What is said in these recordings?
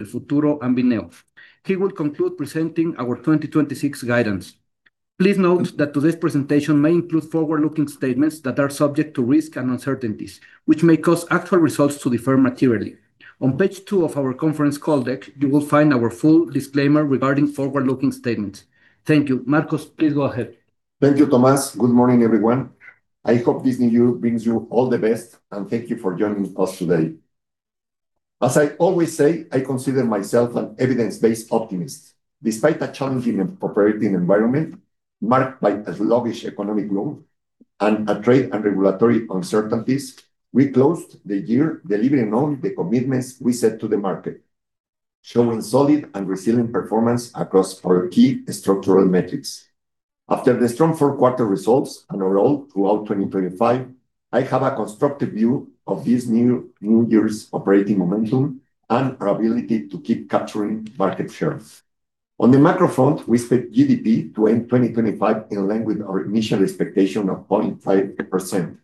El Futuro and Bineo. He will conclude presenting our 2026 guidance. Please note that today's presentation may include forward-looking statements that are subject to risks and uncertainties, which may cause actual results to differ materially. On page 2 of our conference call deck, you will find our full disclaimer regarding forward-looking statements. Thank you. Marcos, please go ahead. Thank you, Tomás. Good morning, everyone. I hope this new year brings you all the best, and thank you for joining us today. As I always say, I consider myself an evidence-based optimist. Despite a challenging and precarious environment marked by a sluggish economic growth and a trade and regulatory uncertainties, we closed the year delivering on the commitments we set to the market, showing solid and resilient performance across our key structural metrics. After the strong fourth quarter results and overall throughout 2025, I have a constructive view of this new year's operating momentum and our ability to keep capturing market shares. On the macro front, we expect GDP to end 2025 in line with our initial expectation of 0.5%.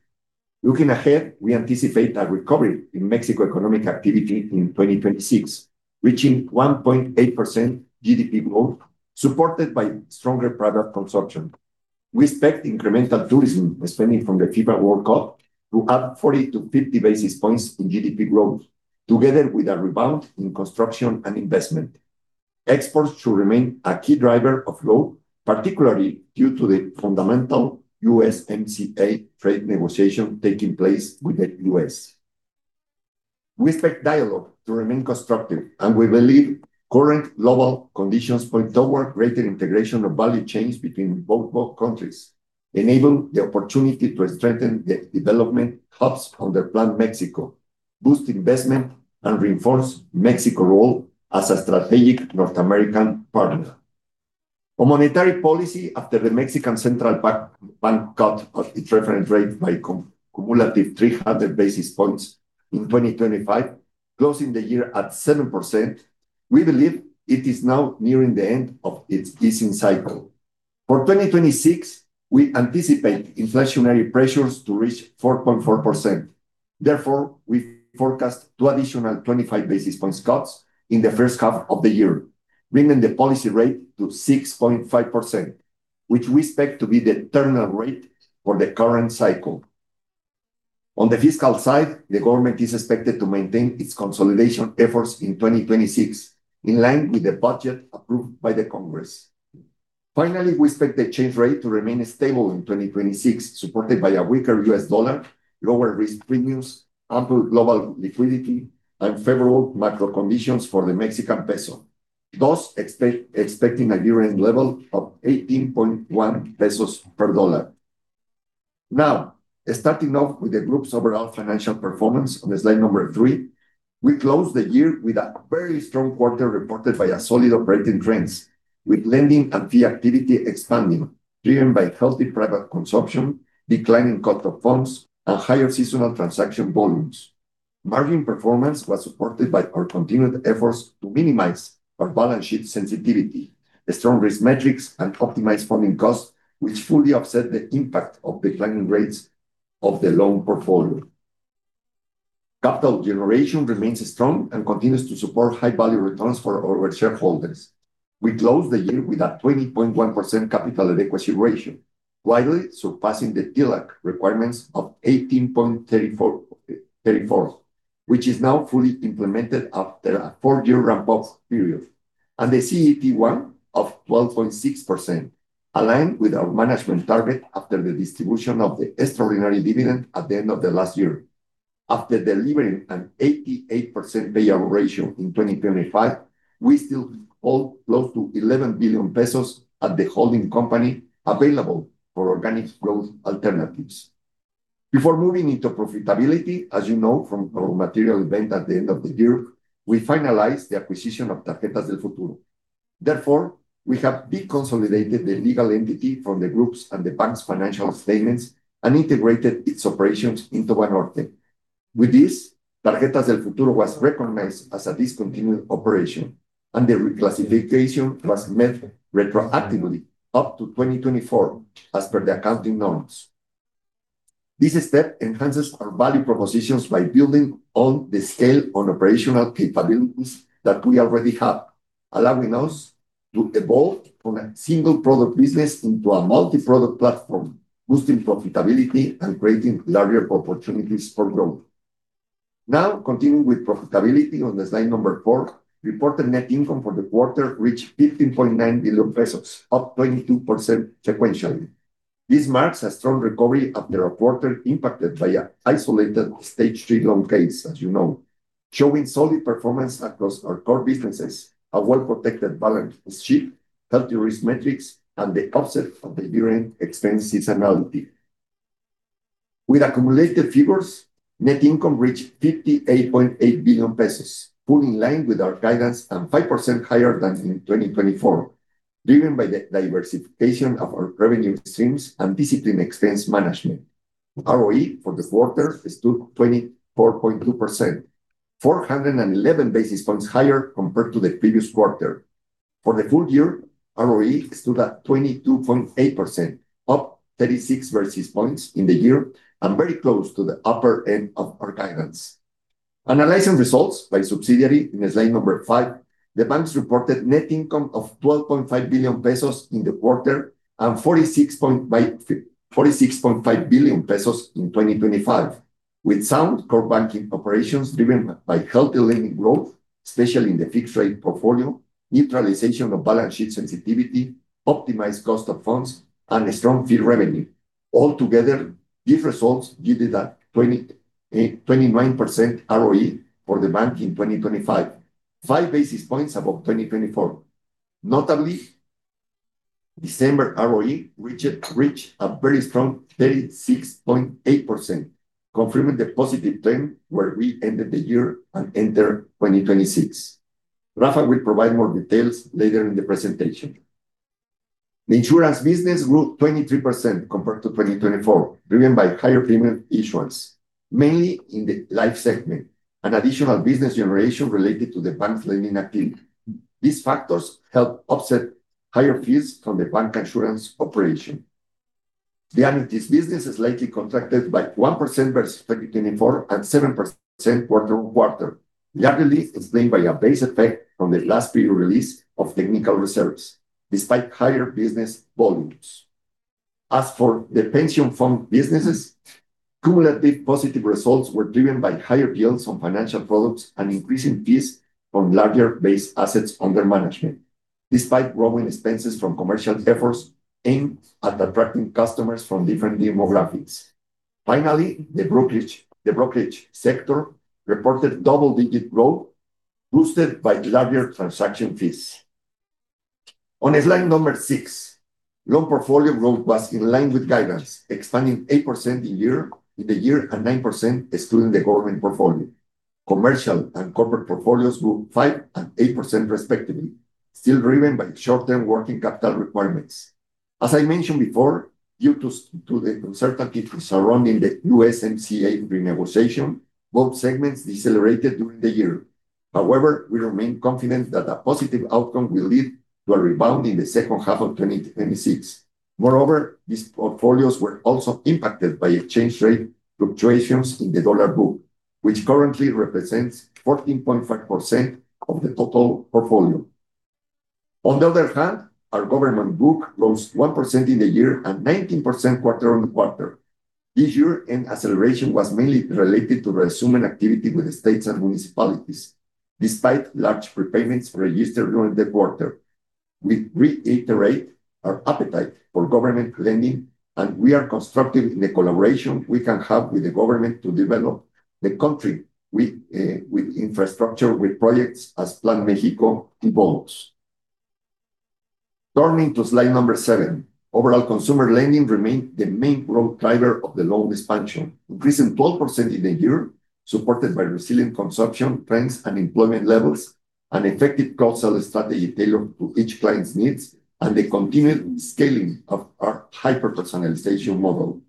Looking ahead, we anticipate a recovery in Mexico economic activity in 2026, reaching 1.8% GDP growth, supported by stronger private consumption. We expect incremental tourism spending from the FIFA World Cup to add 40-50 basis points in GDP growth, together with a rebound in construction and investment. Exports should remain a key driver of growth, particularly due to the fundamental USMCA trade negotiation taking place with the US. We expect dialogue to remain constructive, and we believe current global conditions point toward greater integration of value chains between both, both countries, enable the opportunity to strengthen the development hubs under Plan Mexico, boost investment and reinforce Mexico's role as a strategic North American partner. On monetary policy, after the Mexican Central Bank cut its reference rate by cumulative 300 basis points in 2025, closing the year at 7%, we believe it is now nearing the end of its easing cycle. For 2026, we anticipate inflationary pressures to reach 4.4%. Therefore, we forecast two additional 25 basis points cuts in the first half of the year, bringing the policy rate to 6.5%, which we expect to be the terminal rate for the current cycle. On the fiscal side, the government is expected to maintain its consolidation efforts in 2026, in line with the budget approved by the Congress. Finally, we expect the exchange rate to remain stable in 2026, supported by a weaker US dollar, lower risk premiums, ample global liquidity, and favorable macro conditions for the Mexican peso. Thus, expecting a year-end level of 18.1 pesos per $1. Now, starting off with the group's overall financial performance on slide 3, we closed the year with a very strong quarter, reported by a solid operating trends, with lending and fee activity expanding, driven by healthy private consumption, declining cost of funds, and higher seasonal transaction volumes. Margin performance was supported by our continued efforts to minimize our balance sheet sensitivity, a strong risk metrics, and optimized funding costs, which fully offset the impact of declining rates of the loan portfolio. Capital generation remains strong and continues to support high-value returns for our shareholders. We closed the year with a 20.1% capital and equity ratio, widely surpassing the TLAC requirements of 18.34, thirty-fourth, which is now fully implemented after a 4-year ramp-up period, and the CET1 of 12.6%, aligned with our management target after the distribution of the extraordinary dividend at the end of the last year. After delivering an 88% payout ratio in 2025, we still hold close to 11 billion pesos at the holding company available for organic growth alternatives. Before moving into profitability, as you know, from our material event at the end of the year, we finalized the acquisition of Tarjetas del Futuro. Therefore, we have deconsolidated the legal entity from the groups and the bank's financial statements and integrated its operations into Banorte. With this, Tarjetas del Futuro was recognized as a discontinued operation, and the reclassification was made retroactively up to 2024, as per the accounting norms. This step enhances our value propositions by building on the scale on operational capabilities that we already have, allowing us to evolve from a single product business into a multi-product platform, boosting profitability and creating larger opportunities for growth. Now, continuing with profitability on the slide number 4, reported net income for the quarter reached 15.9 billion pesos, up 22% sequentially. This marks a strong recovery after a quarter impacted by an isolated stage 3 loan case, as you know, showing solid performance across our core businesses, a well-protected balance sheet, healthy risk metrics, and the offset of the year-end expense seasonality. With accumulated figures, net income reached 58.8 billion pesos, fully in line with our guidance and 5% higher than in 2024, driven by the diversification of our revenue streams and disciplined expense management. ROE for the quarter stood 24.2%, 411 basis points higher compared to the previous quarter. For the full year, ROE stood at 22.8%, up 36 percentage points in the year, and very close to the upper end of our guidance. Analyzing results by subsidiary in slide 5, the banks reported net income of 12.5 billion pesos in the quarter, and 46.5 billion pesos in 2025, with sound core banking operations driven by healthy lending growth, especially in the fixed rate portfolio, neutralization of balance sheet sensitivity, optimized cost of funds, and a strong fee revenue. Altogether, these results yielded a 29% ROE for the bank in 2025, 5 basis points above 2024. Notably, December ROE reached a very strong 36.8%, confirming the positive trend where we ended the year and entered 2026. Rafa will provide more details later in the presentation. The insurance business grew 23% compared to 2024, driven by higher premium issuance, mainly in the life segment, an additional business generation related to the bank's lending activity. These factors helped offset higher fees from the bancassurance operation. The annuities business is likely contracted by 1% versus 2024 and 7% quarter-over-quarter. The annuity is explained by a base effect from the last period release of technical reserves, despite higher business volumes. As for the pension fund businesses, cumulative positive results were driven by higher yields on financial products and increasing fees from larger base assets under management, despite growing expenses from commercial efforts aimed at attracting customers from different demographics. Finally, the brokerage sector reported double-digit growth, boosted by larger transaction fees. On slide number 6, loan portfolio growth was in line with guidance, expanding 8% in the year and 9% excluding the government portfolio. Commercial and corporate portfolios grew 5% and 8% respectively, still driven by short-term working capital requirements. As I mentioned before, due to the uncertainty surrounding the USMCA renegotiation, both segments decelerated during the year. However, we remain confident that a positive outcome will lead to a rebound in the second half of 2026. Moreover, these portfolios were also impacted by exchange rate fluctuations in the dollar book, which currently represents 14.5% of the total portfolio. On the other hand, our government book rose 1% in the year and 19% quarter-on-quarter. This year-end acceleration was mainly related to resuming activity with the states and municipalities, despite large prepayments registered during the quarter. We reiterate our appetite for government lending, and we are constructive in the collaboration we can have with the government to develop the country with with infrastructure, with projects as Plan Mexico evolves. Turning to slide number 7, overall consumer lending remained the main growth driver of the loan expansion, increasing 12% in the year, supported by resilient consumption trends and employment levels, an effective cross-sell strategy tailored to each client's needs, and the continued scaling of our hyperpersonalization model.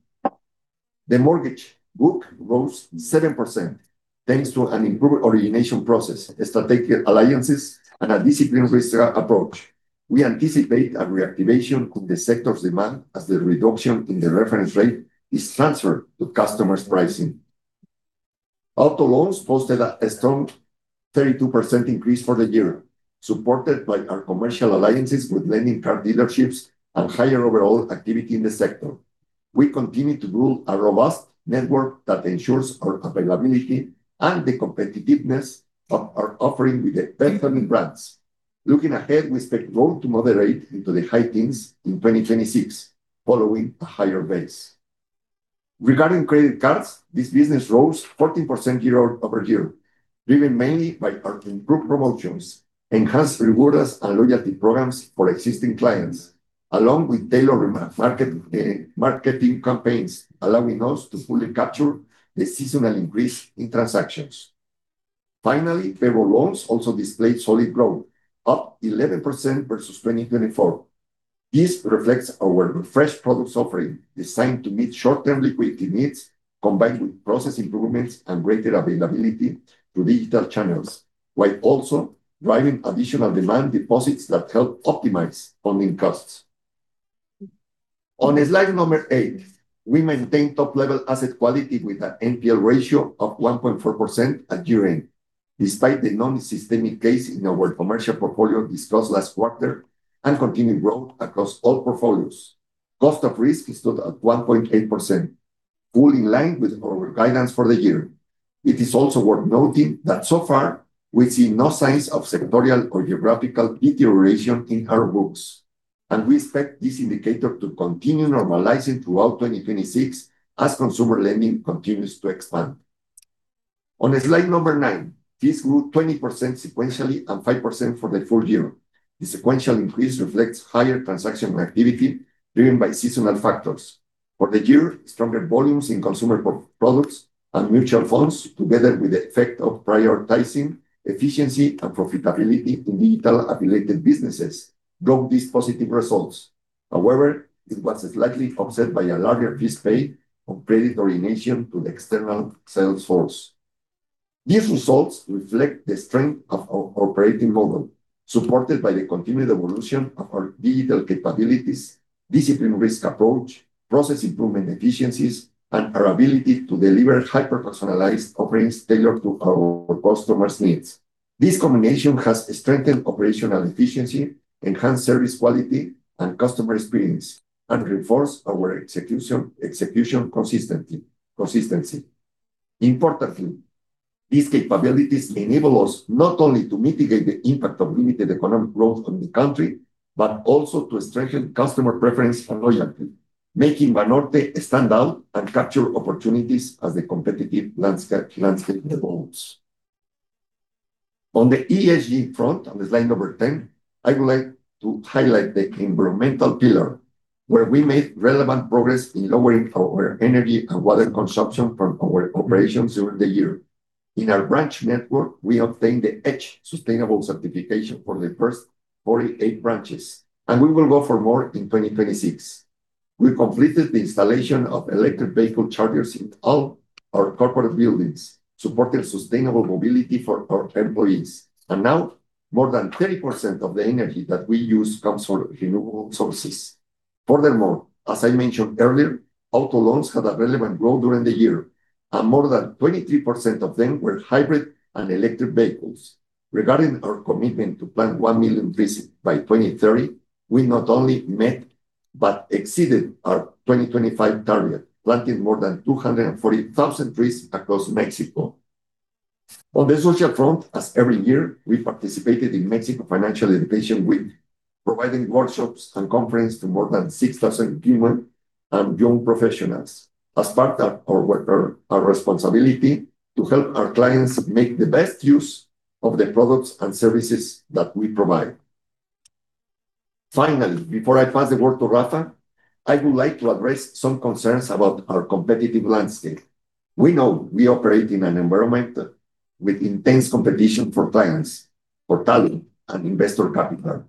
The mortgage book rose 7%, thanks to an improved origination process, strategic alliances, and a disciplined risk approach. We anticipate a reactivation in the sector's demand as the reduction in the reference rate is transferred to customers' pricing. Auto loans posted a strong 32% increase for the year, supported by our commercial alliances with leading car dealerships and higher overall activity in the sector. We continue to build a robust network that ensures our availability and the competitiveness of our offering with the best-selling brands. Looking ahead, we expect growth to moderate into the high teens in 2026, following a higher base. Regarding credit cards, this business rose 14% year over year, driven mainly by our improved promotions, enhanced rewards and loyalty programs for existing clients, along with tailored marketing campaigns, allowing us to fully capture the seasonal increase in transactions. Finally, payroll loans also displayed solid growth, up 11% versus 2024. This reflects our refreshed product offering, designed to meet short-term liquidity needs, combined with process improvements and greater availability to digital channels, while also driving additional demand deposits that help optimize funding costs. On slide number 8, we maintain top-level asset quality with a NPL ratio of 1.4% at year-end, despite the non-systemic case in our commercial portfolio discussed last quarter and continued growth across all portfolios. Cost of risk stood at 1.8%, fully in line with our guidance for the year. It is also worth noting that so far, we see no signs of sectoral or geographical deterioration in our books, and we expect this indicator to continue normalizing throughout 2026 as consumer lending continues to expand. On slide number 9, fees grew 20% sequentially and 5% for the full year. The sequential increase reflects higher transaction activity, driven by seasonal factors. For the year, stronger volumes in consumer products and mutual funds, together with the effect of prioritizing efficiency and profitability in digital-affiliated businesses, drove these positive results. However, it was slightly offset by a larger fee paid on credit origination to the external sales force. These results reflect the strength of our operating model, supported by the continued evolution of our digital capabilities, disciplined risk approach, process improvement efficiencies, and our ability to deliver hyper-personalized offerings tailored to our customers' needs. This combination has strengthened operational efficiency, enhanced service quality and customer experience, and reinforced our execution consistency. Importantly, these capabilities enable us not only to mitigate the impact of limited economic growth on the country, but also to strengthen customer preference and loyalty, making Banorte stand out and capture opportunities as the competitive landscape, landscape evolves. On the ESG front, on the slide number 10, I would like to highlight the environmental pillar, where we made relevant progress in lowering our energy and water consumption from our operations during the year. In our branch network, we obtained the EDGE Sustainable certification for the first 48 branches, and we will go for more in 2026. We completed the installation of electric vehicle chargers in all our corporate buildings, supporting sustainable mobility for our employees, and now more than 30% of the energy that we use comes from renewable sources. Furthermore, as I mentioned earlier, auto loans had a relevant growth during the year, and more than 23% of them were hybrid and electric vehicles. Regarding our commitment to plant 1 million trees by 2030, we not only met, but exceeded our 2025 target, planting more than 240,000 trees across Mexico. On the social front, as every year, we participated in Mexico Financial Education Week, providing workshops and conference to more than 6,000 women and young professionals. As part of our work, our responsibility to help our clients make the best use of the products and services that we provide. Finally, before I pass the word to Rafa, I would like to address some concerns about our competitive landscape. We know we operate in an environment with intense competition for clients, for talent, and investor capital.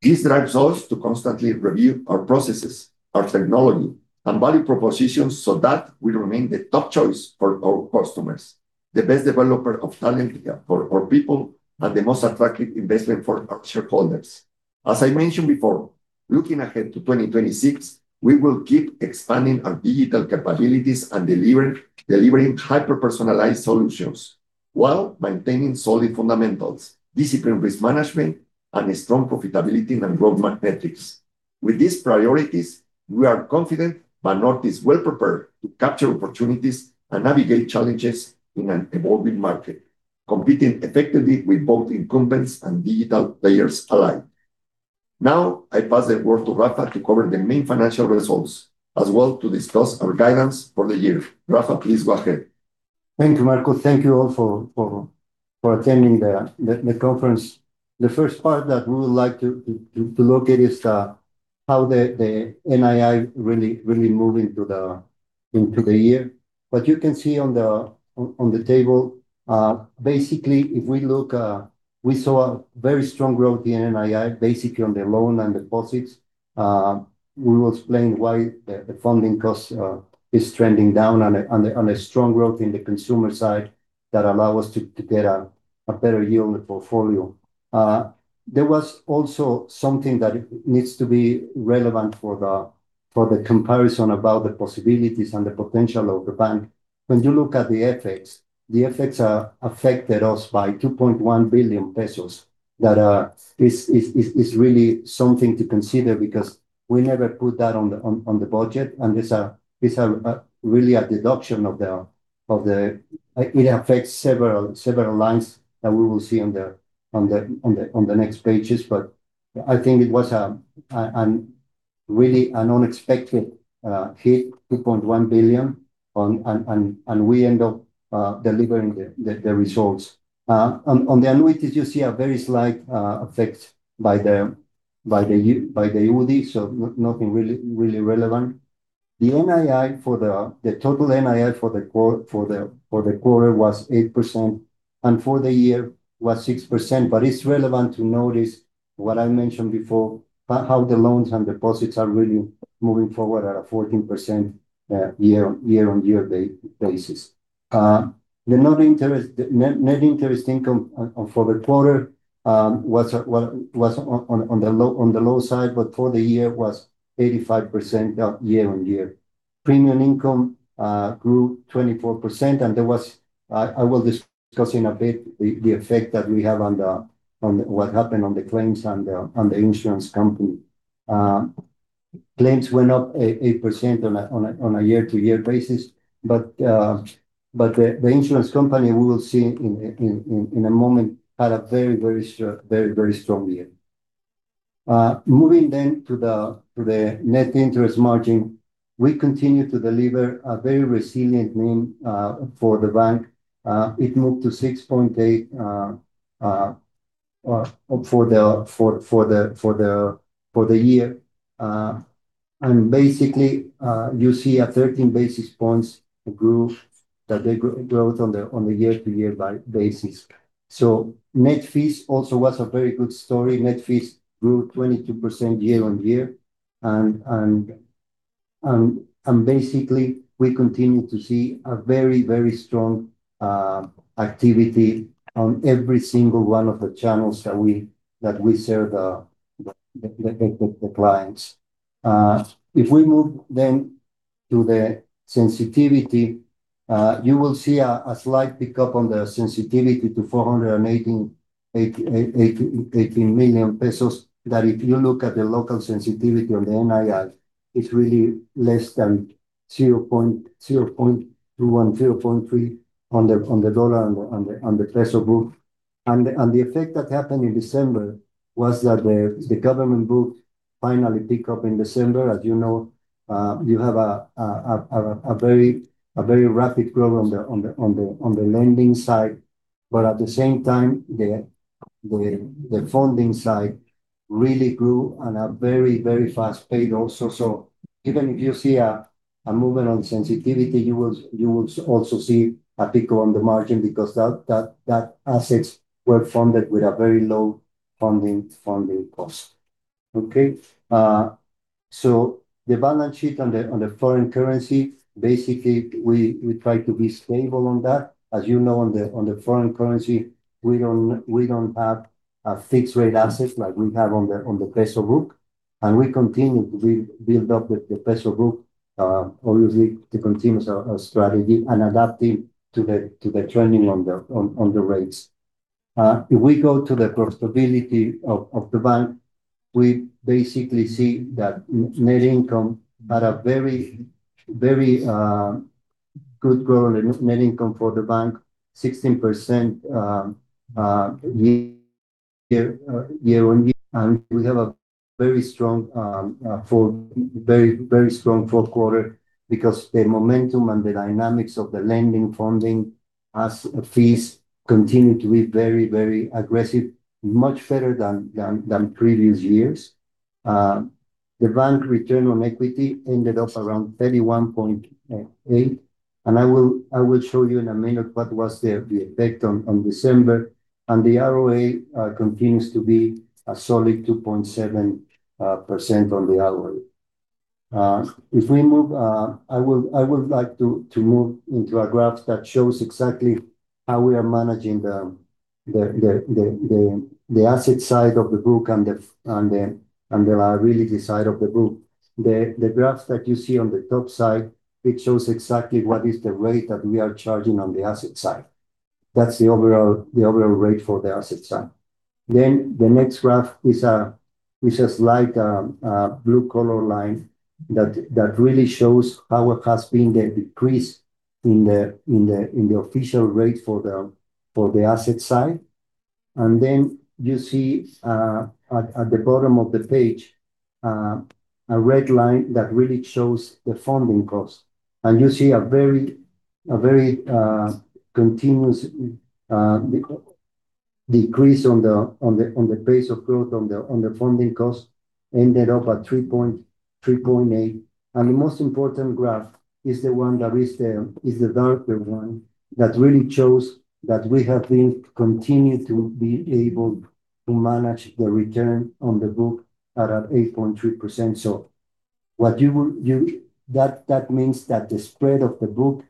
This drives us to constantly review our processes, our technology, and value propositions, so that we remain the top choice for our customers, the best developer of talent for our people, and the most attractive investment for our shareholders. As I mentioned before, looking ahead to 2026, we will keep expanding our digital capabilities and delivering, delivering hyper-personalized solutions, while maintaining solid fundamentals, disciplined risk management, and a strong profitability and growth metrics. With these priorities, we are confident Banorte is well-prepared to capture opportunities and navigate challenges in an evolving market, competing effectively with both incumbents and digital players alike. Now, I pass the word to Rafa to cover the main financial results, as well to discuss our guidance for the year. Rafa, please go ahead. Thank you, Marco. Thank you all for attending the conference. The first part that we would like to look at is how the NII really moved into the year. But you can see on the table, basically, if we look, we saw a very strong growth in NII, basically on the loan and deposits. We will explain why the funding cost is trending down on a strong growth in the consumer side that allow us to get a better yield on the portfolio. There was also something that needs to be relevant for the comparison about the possibilities and the potential of the bank. When you look at the FX, it affected us by 2.1 billion pesos. That is really something to consider, because we never put that on the budget, and it's really a deduction of the... It affects several lines that we will see on the next pages, but I think it was a really unexpected hit, 2.1 billion, and we end up delivering the results. On the annuities, you see a very slight effect by the USD, so nothing really relevant. The NII for the total NII for the quarter was 8%, and for the year was 6%. But it's relevant to notice what I mentioned before, but how the loans and deposits are really moving forward at a 14% year-on-year basis. The non-interest income for the quarter was well on the low side, but for the year was 85% year-on-year. Premium income grew 24%, and there was I will discuss in a bit the effect that we have on what happened on the claims and on the insurance company. Claims were up 8% on a year-over-year basis, but the insurance company, we will see in a moment, had a very, very strong year. Moving then to the net interest margin, we continue to deliver a very resilient NIM for the bank. It moved to 6.8 for the year. And basically, you see a 13 basis points growth on the year-over-year basis. So net fees also was a very good story. Net fees grew 22% year-over-year, and... Basically, we continue to see a very, very strong activity on every single one of the channels that we serve, the clients. If we move then to the sensitivity, you will see a slight pickup on the sensitivity to 418 million pesos, that if you look at the local sensitivity on the NII, it's really less than 0.2 and 0.3 on the dollar and on the peso book. And the effect that happened in December was that the government book finally pick up in December. As you know, you have a very rapid growth on the lending side. But at the same time, the funding side really grew on a very, very fast pace also. So even if you see a movement on sensitivity, you will also see a pickup on the margin because that assets were funded with a very low funding cost. Okay? So the balance sheet on the foreign currency, basically, we try to be stable on that. As you know, on the foreign currency, we don't have a fixed rate assets like we have on the peso book, and we continue to build up the peso book, obviously to continue our strategy and adapting to the trending on the rates. If we go to the profitability of the bank, we basically see that net income at a very, very good growth in net income for the bank, 16%, year on year. We have a very strong, very, very strong fourth quarter because the momentum and the dynamics of the lending funding as fees continue to be very, very aggressive, much better than previous years. The bank return on equity ended up around 31.8, and I will show you in a minute what was the effect on December. The ROA continues to be a solid 2.7% on the ROA. If we move, I would like to move into a graph that shows exactly how we are managing the asset side of the book and the liability side of the book. The graphs that you see on the top side, it shows exactly what is the rate that we are charging on the asset side. That's the overall rate for the asset side. Then the next graph is a slight blue color line that really shows how it has been the decrease in the official rate for the asset side. Then you see, at the bottom of the page, a red line that really shows the funding cost, and you see a very continuous decrease in the pace of growth of the funding cost, ended up at 3.38. And the most important graph is the one that is the darker one, that really shows that we have been continued to be able to manage the return on the book at an 8.3%. So what you would, you... That means that the spread of the book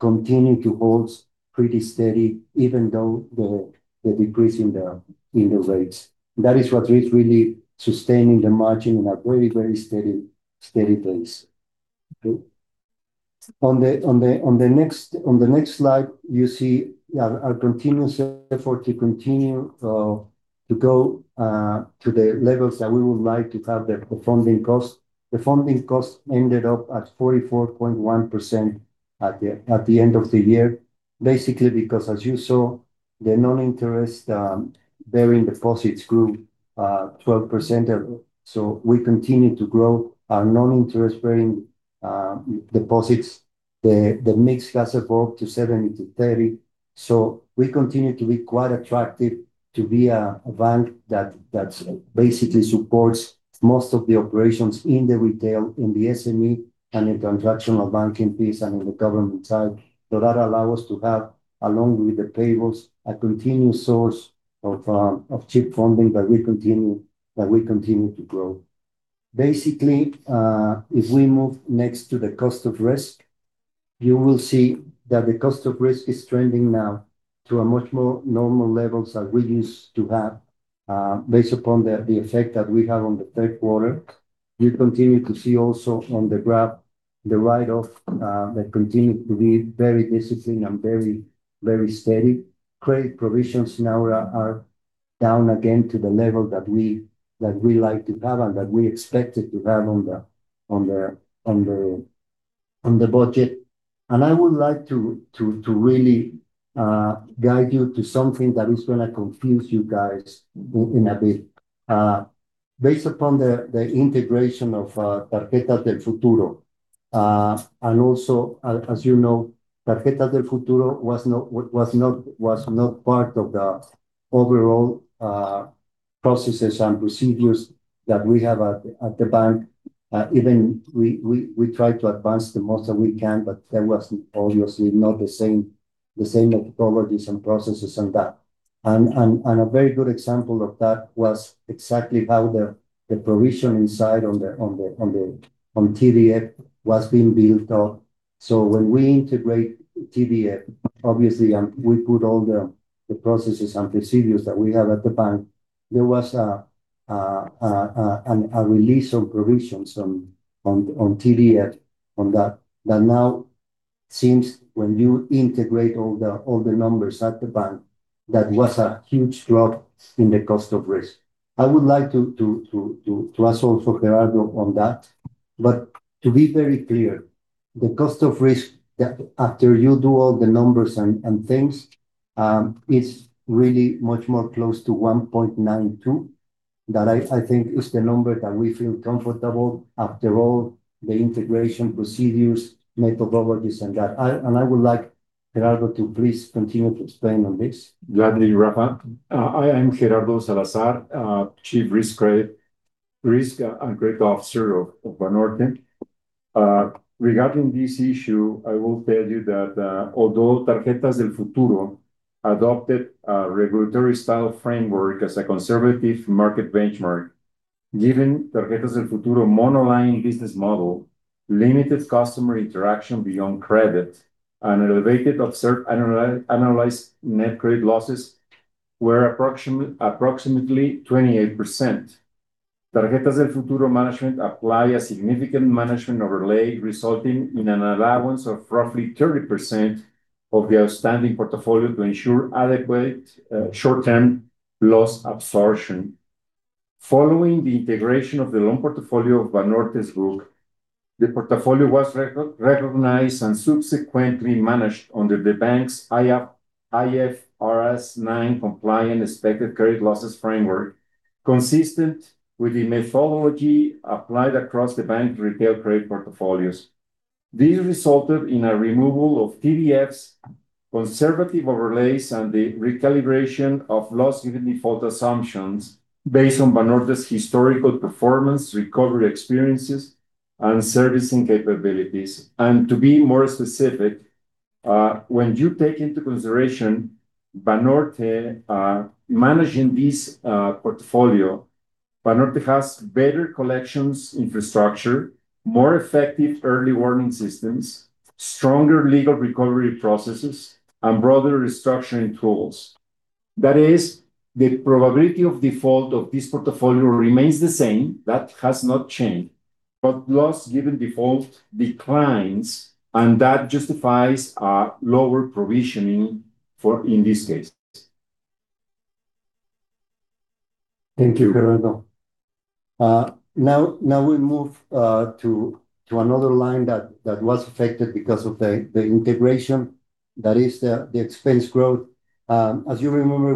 continue to hold pretty steady, even though the decrease in the rates. That is what is really sustaining the margin in a very steady place. On the next slide, you see our continuous effort to continue to go to the levels that we would like to have the funding cost. The funding cost ended up at 44.1% at the end of the year. Basically, because as you saw, the non-interest bearing deposits grew 12%. So we continue to grow our non-interest bearing deposits. The mix has evolved to 70-30. So we continue to be quite attractive to be a bank that basically supports most of the operations in the retail, in the SME, and in transactional banking piece and in the government side. So that allow us to have, along with the payables, a continuous source of cheap funding that we continue to grow. Basically, if we move next to the cost of risk, you will see that the cost of risk is trending now to a much more normal levels that we used to have, based upon the effect that we have on the third quarter. You continue to see also on the graph, the write-off that continued to be very disciplined and very, very steady. Credit provisions now are down again to the level that we like to have and that we expected to have on the budget. And I would like to really guide you to something that is gonna confuse you guys in a bit. Based upon the integration of Tarjetas del Futuro, and also, as you know, Tarjeta del Futuro was not part of the overall processes and procedures that we have at the bank. Even we try to advance the most that we can, but that was obviously not the same technologies and processes and that, and a very good example of that was exactly how the provision inside on the TDF was being built out. So when we integrate TDF, obviously, and we put all the processes and procedures that we have at the bank, there was a release of provisions on TDF on that. That now seems when you integrate all the numbers at the bank, that was a huge drop in the cost of risk. I would like to ask also Gerardo on that, but to be very clear, the cost of risk that after you do all the numbers and things, it's really much more close to 1.92, that I think is the number that we feel comfortable after all the integration procedures, methodologies, and that. And I would like Gerardo to please continue to explain on this. Gladly, Rafa. I am Gerardo Salazar, Chief Risk and Credit Officer of Banorte. Regarding this issue, I will tell you that, although Tarjetas del Futuro adopted a regulatory style framework as a conservative market benchmark, given Tarjetas del Futuro monoline business model, limited customer interaction beyond credit, and elevated observed analyzed net credit losses were approximately 28%. Tarjetas del Futuro management apply a significant management overlay, resulting in an allowance of roughly 30% of the outstanding portfolio to ensure adequate short-term loss absorption. Following the integration of the loan portfolio of Banorte's group, the portfolio was recognized and subsequently managed under the bank's IFRS 9 compliant expected credit losses framework, consistent with the methodology applied across the bank's retail credit portfolios. This resulted in a removal of TDF's conservative overlays and the recalibration of loss given default assumptions based on Banorte's historical performance, recovery experiences, and servicing capabilities. To be more specific, when you take into consideration Banorte managing this portfolio, Banorte has better collections infrastructure, more effective early warning systems, stronger legal recovery processes, and broader restructuring tools. That is, the probability of default of this portfolio remains the same, that has not changed, but loss given default declines, and that justifies a lower provisioning for in this case. Thank you, Gerardo. Now we move to another line that was affected because of the integration, that is the expense growth. As you remember,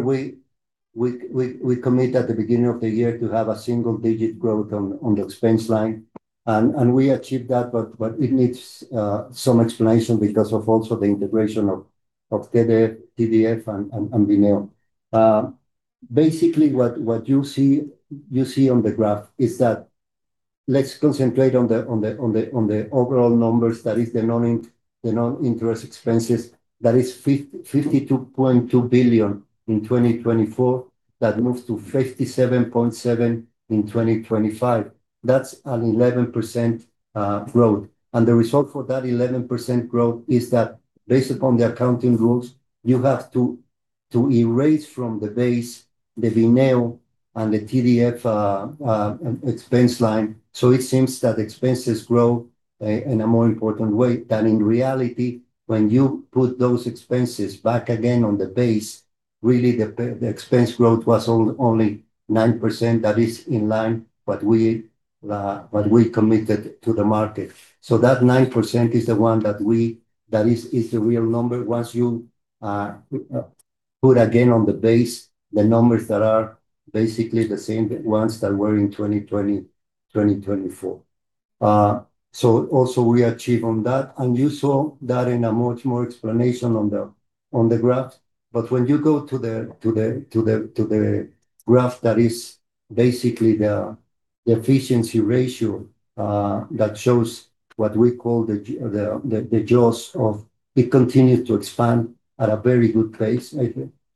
we committed at the beginning of the year to have a single digit growth on the expense line, and we achieved that, but it needs some explanation because of also the integration of TDF and Bineo. Basically, what you see on the graph is that let's concentrate on the overall numbers, that is the non-interest expenses. That is 52.2 billion in 2024, that moves to 57.7 billion in 2025. That's an 11% growth, and the result for that 11% growth is that based upon the accounting rules, you have to erase from the base the Bineo and the TDF expense line. So it seems that expenses grow in a more important way than in reality, when you put those expenses back again on the base, really, the expense growth was only 9%. That is in line, but we committed to the market. So that 9% is the one that we... That is the real number once you put again on the base, the numbers that are basically the same ones that were in 2020, 2024. So also we achieve on that, and you saw that in a much more explanation on the graph. But when you go to the graph, that is basically the efficiency ratio that shows what we call the jaws of... It continues to expand at a very good pace.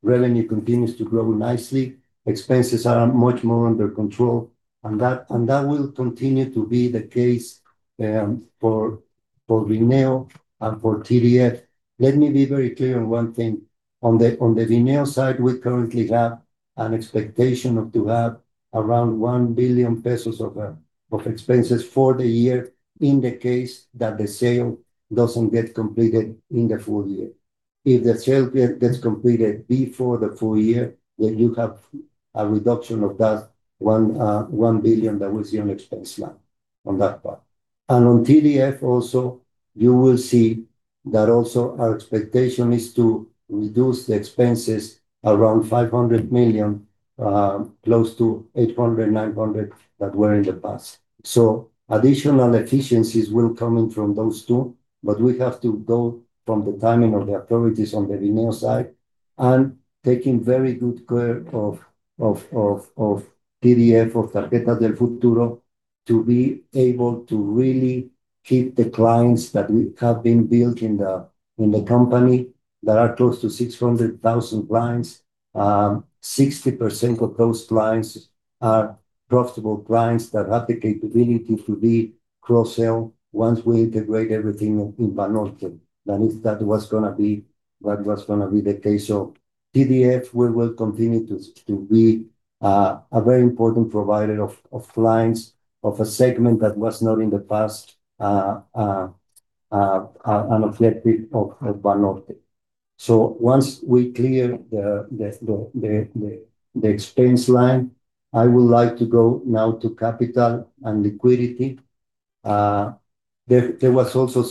Revenue continues to grow nicely, expenses are much more under control, and that will continue to be the case for Bineo and for TDF. Let me be very clear on one thing. On the Bineo side, we currently have an expectation to have around 1 billion pesos of expenses for the year in the case that the sale doesn't get completed in the full year. If the sale gets completed before the full year, then you have a reduction of that 1 billion that we see on expense line on that part. And on TDF also, you will see that also our expectation is to reduce the expenses around 500 million, close to 800, 900, that were in the past. So additional efficiencies will come in from those two, but we have to go from the timing of the authorities on the Bineo side, and taking very good care of, of TDF, of Tarjetas del Futuro-... to be able to really keep the clients that we have been building the, in the company that are close to 600,000 clients. Sixty percent of those clients are profitable clients that have the capability to be cross-sell once we integrate everything in Banorte. That is, that was gonna be, that was gonna be the case. So TDF will continue to be a very important provider of clients of a segment that was not in the past an affiliate of Banorte. So once we clear the expense line, I would like to go now to capital and liquidity. There was also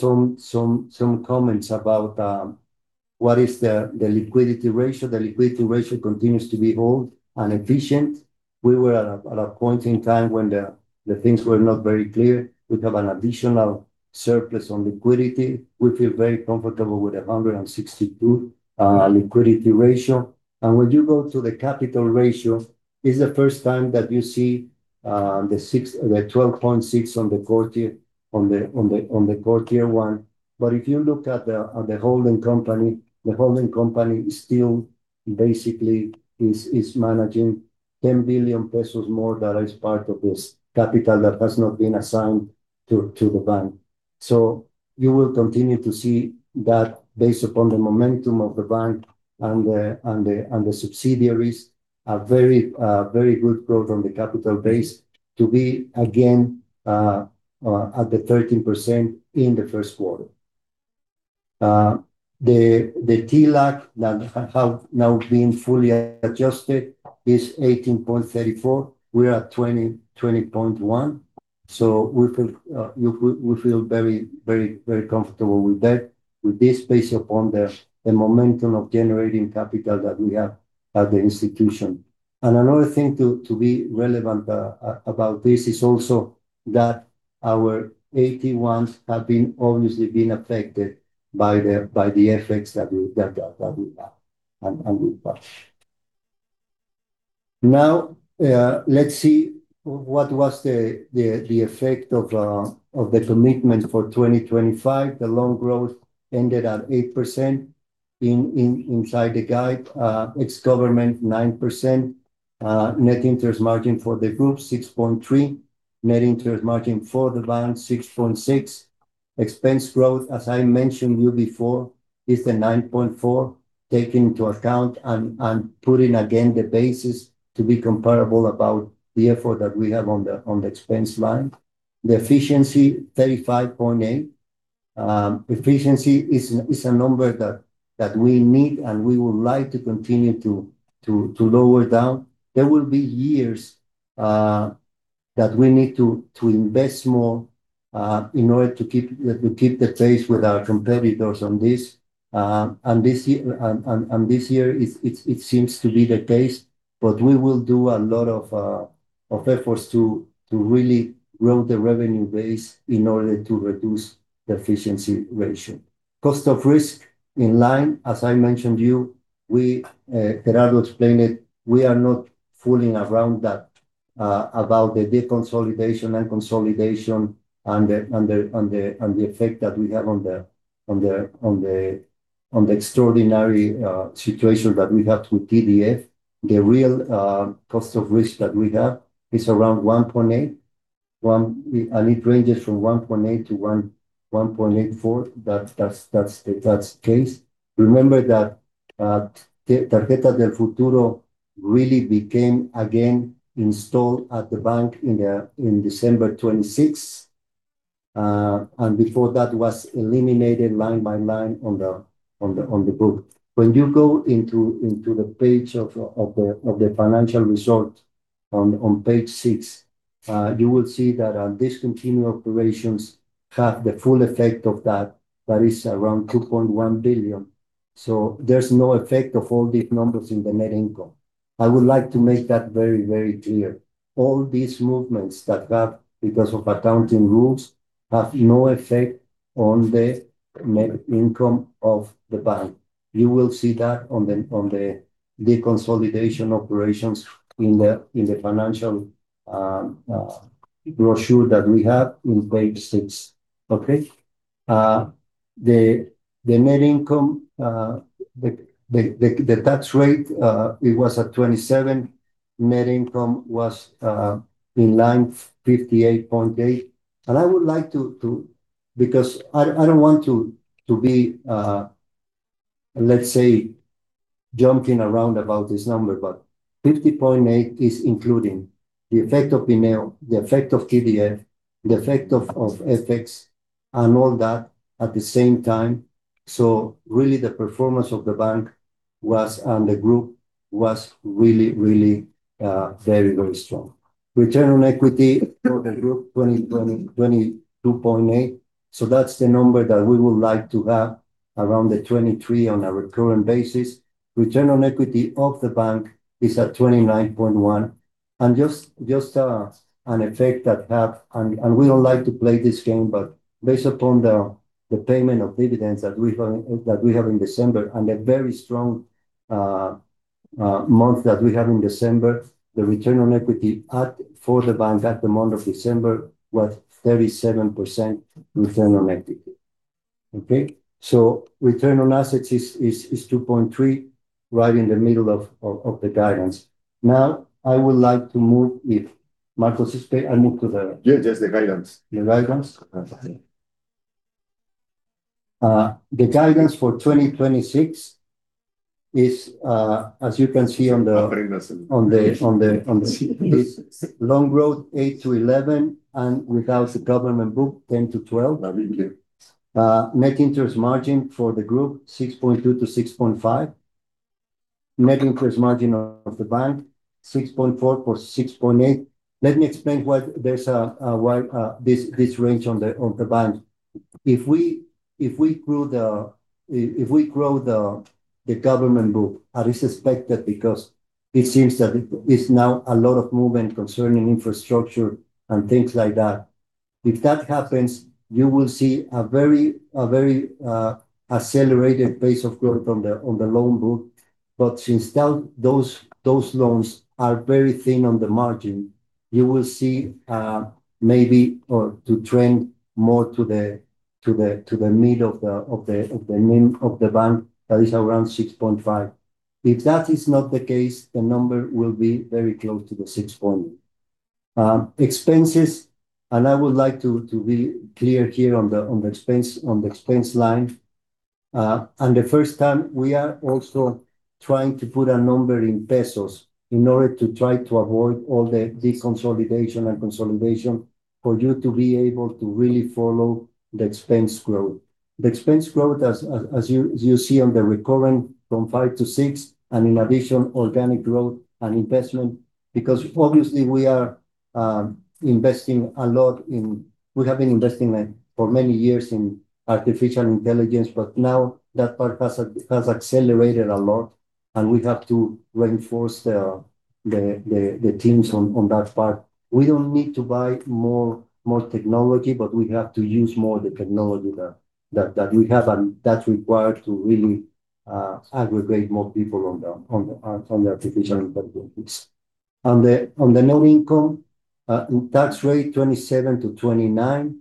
some comments about what is the liquidity ratio? The liquidity ratio continues to be hold and efficient. We were at a point in time when the things were not very clear. We have an additional surplus on liquidity. We feel very comfortable with 162 liquidity ratio. When you go to the capital ratio, it's the first time that you see the 12.6 on the core tier, on the core tier one. But if you look at the holding company, the holding company is still basically managing 10 billion pesos more. That is part of this capital that has not been assigned to the bank. So you will continue to see that based upon the momentum of the bank and the subsidiaries are very good growth on the capital base to be again at the 13% in the first quarter. The TLAC that have now been fully adjusted is 18.34. We are at 20.1, so we feel, we feel very, very, very comfortable with that, with this based upon the, the momentum of generating capital that we have at the institution. And another thing to, to be relevant, about this is also that our AT1s have been obviously been affected by the, by the effects that we, that, that we have and, and we pass. Now, let's see, what was the, the, the effect of, of the commitment for 2025? The loan growth ended at 8% in inside the guide, ex government, 9%, net interest margin for the group, 6.3. Net interest margin for the bank, 6.6. Expense growth, as I mentioned to you before, is 9.4, take into account and putting again the basis to be comparable about the effort that we have on the expense line. The efficiency, 35.8. Efficiency is a number that we need, and we would like to continue to lower down. There will be years that we need to invest more in order to keep the pace with our competitors on this. And this year, it seems to be the case, but we will do a lot of efforts to really grow the revenue base in order to reduce the efficiency ratio. Cost of risk in line, as I mentioned you, we, Gerardo explained it, we are not fooling around that, about the deconsolidation and consolidation and the effect that we have on the extraordinary situation that we have with TDF. The real cost of risk that we have is around 1.8, 1. And it ranges from 1.8 to 1, 1.84. That's the case. Remember that, Tarjeta del Futuro really became again installed at the bank in December 2026, and before that was eliminated line by line on the book. When you go into the page of the financial results on page six, you will see that our discontinued operations have the full effect of that. That is around 2.1 billion. So there's no effect of all these numbers in the net income. I would like to make that very, very clear. All these movements that have, because of accounting rules, have no effect on the net income of the bank. You will see that on the deconsolidation operations in the financial brochure that we have in page six. Okay? The net income, the tax rate, it was at 27%. Net income was in line 58.8, and I would like to, to... Because I don't want to be, let's say, jumping around about this number, but 50.8 is including the effect of BNA, the effect of TDF, the effect of FX and all that at the same time. So really, the performance of the bank was, and the group was really very strong. Return on equity for the group, 22.8. So that's the number that we would like to have around the 23 on a recurrent basis. Return on equity of the bank is at 29.1. And just an effect that have, and we don't like to play this game, but based upon the payment of dividends that we have, that we have in December, and the very strong... month that we have in December, the return on equity for the bank at the month of December was 37% return on equity. Okay? So return on assets is 2.3, right in the middle of the guidance. Now, I would like to move, if Marcos is okay, I move to the- Yeah, just the guidance. The guidance? The guidance for 2026 is, as you can see on the- Offering us... on the loan growth 8-11, and without the government book, 10-12. Thank you. Net interest margin for the group, 6.2%-6.5%. Net interest margin of the bank, 6.4%-6.8%. Let me explain why there's this range on the bank. If we grow the government book, and it's expected because it seems that it's now a lot of movement concerning infrastructure and things like that. If that happens, you will see a very accelerated pace of growth on the loan book. But since that, those loans are very thin on the margin, you will see maybe, or to trend more to the middle of the mean of the bank, that is around 6.5%. If that is not the case, the number will be very close to the 6%. Expenses, and I would like to be clear here on the expense line. And the first time, we are also trying to put a number in pesos in order to try to avoid all the deconsolidation and consolidation, for you to be able to really follow the expense growth. The expense growth, as you see on the recurring, from 5% to 6%, and in addition, organic growth and investment. Because obviously we are investing a lot in. We have been investing like for many years in artificial intelligence, but now that part has accelerated a lot, and we have to reinforce the teams on that part. We don't need to buy more technology, but we have to use more the technology that we have, and that's required to really aggregate more people on the artificial intelligence. On the non-income tax rate, 27%-29%.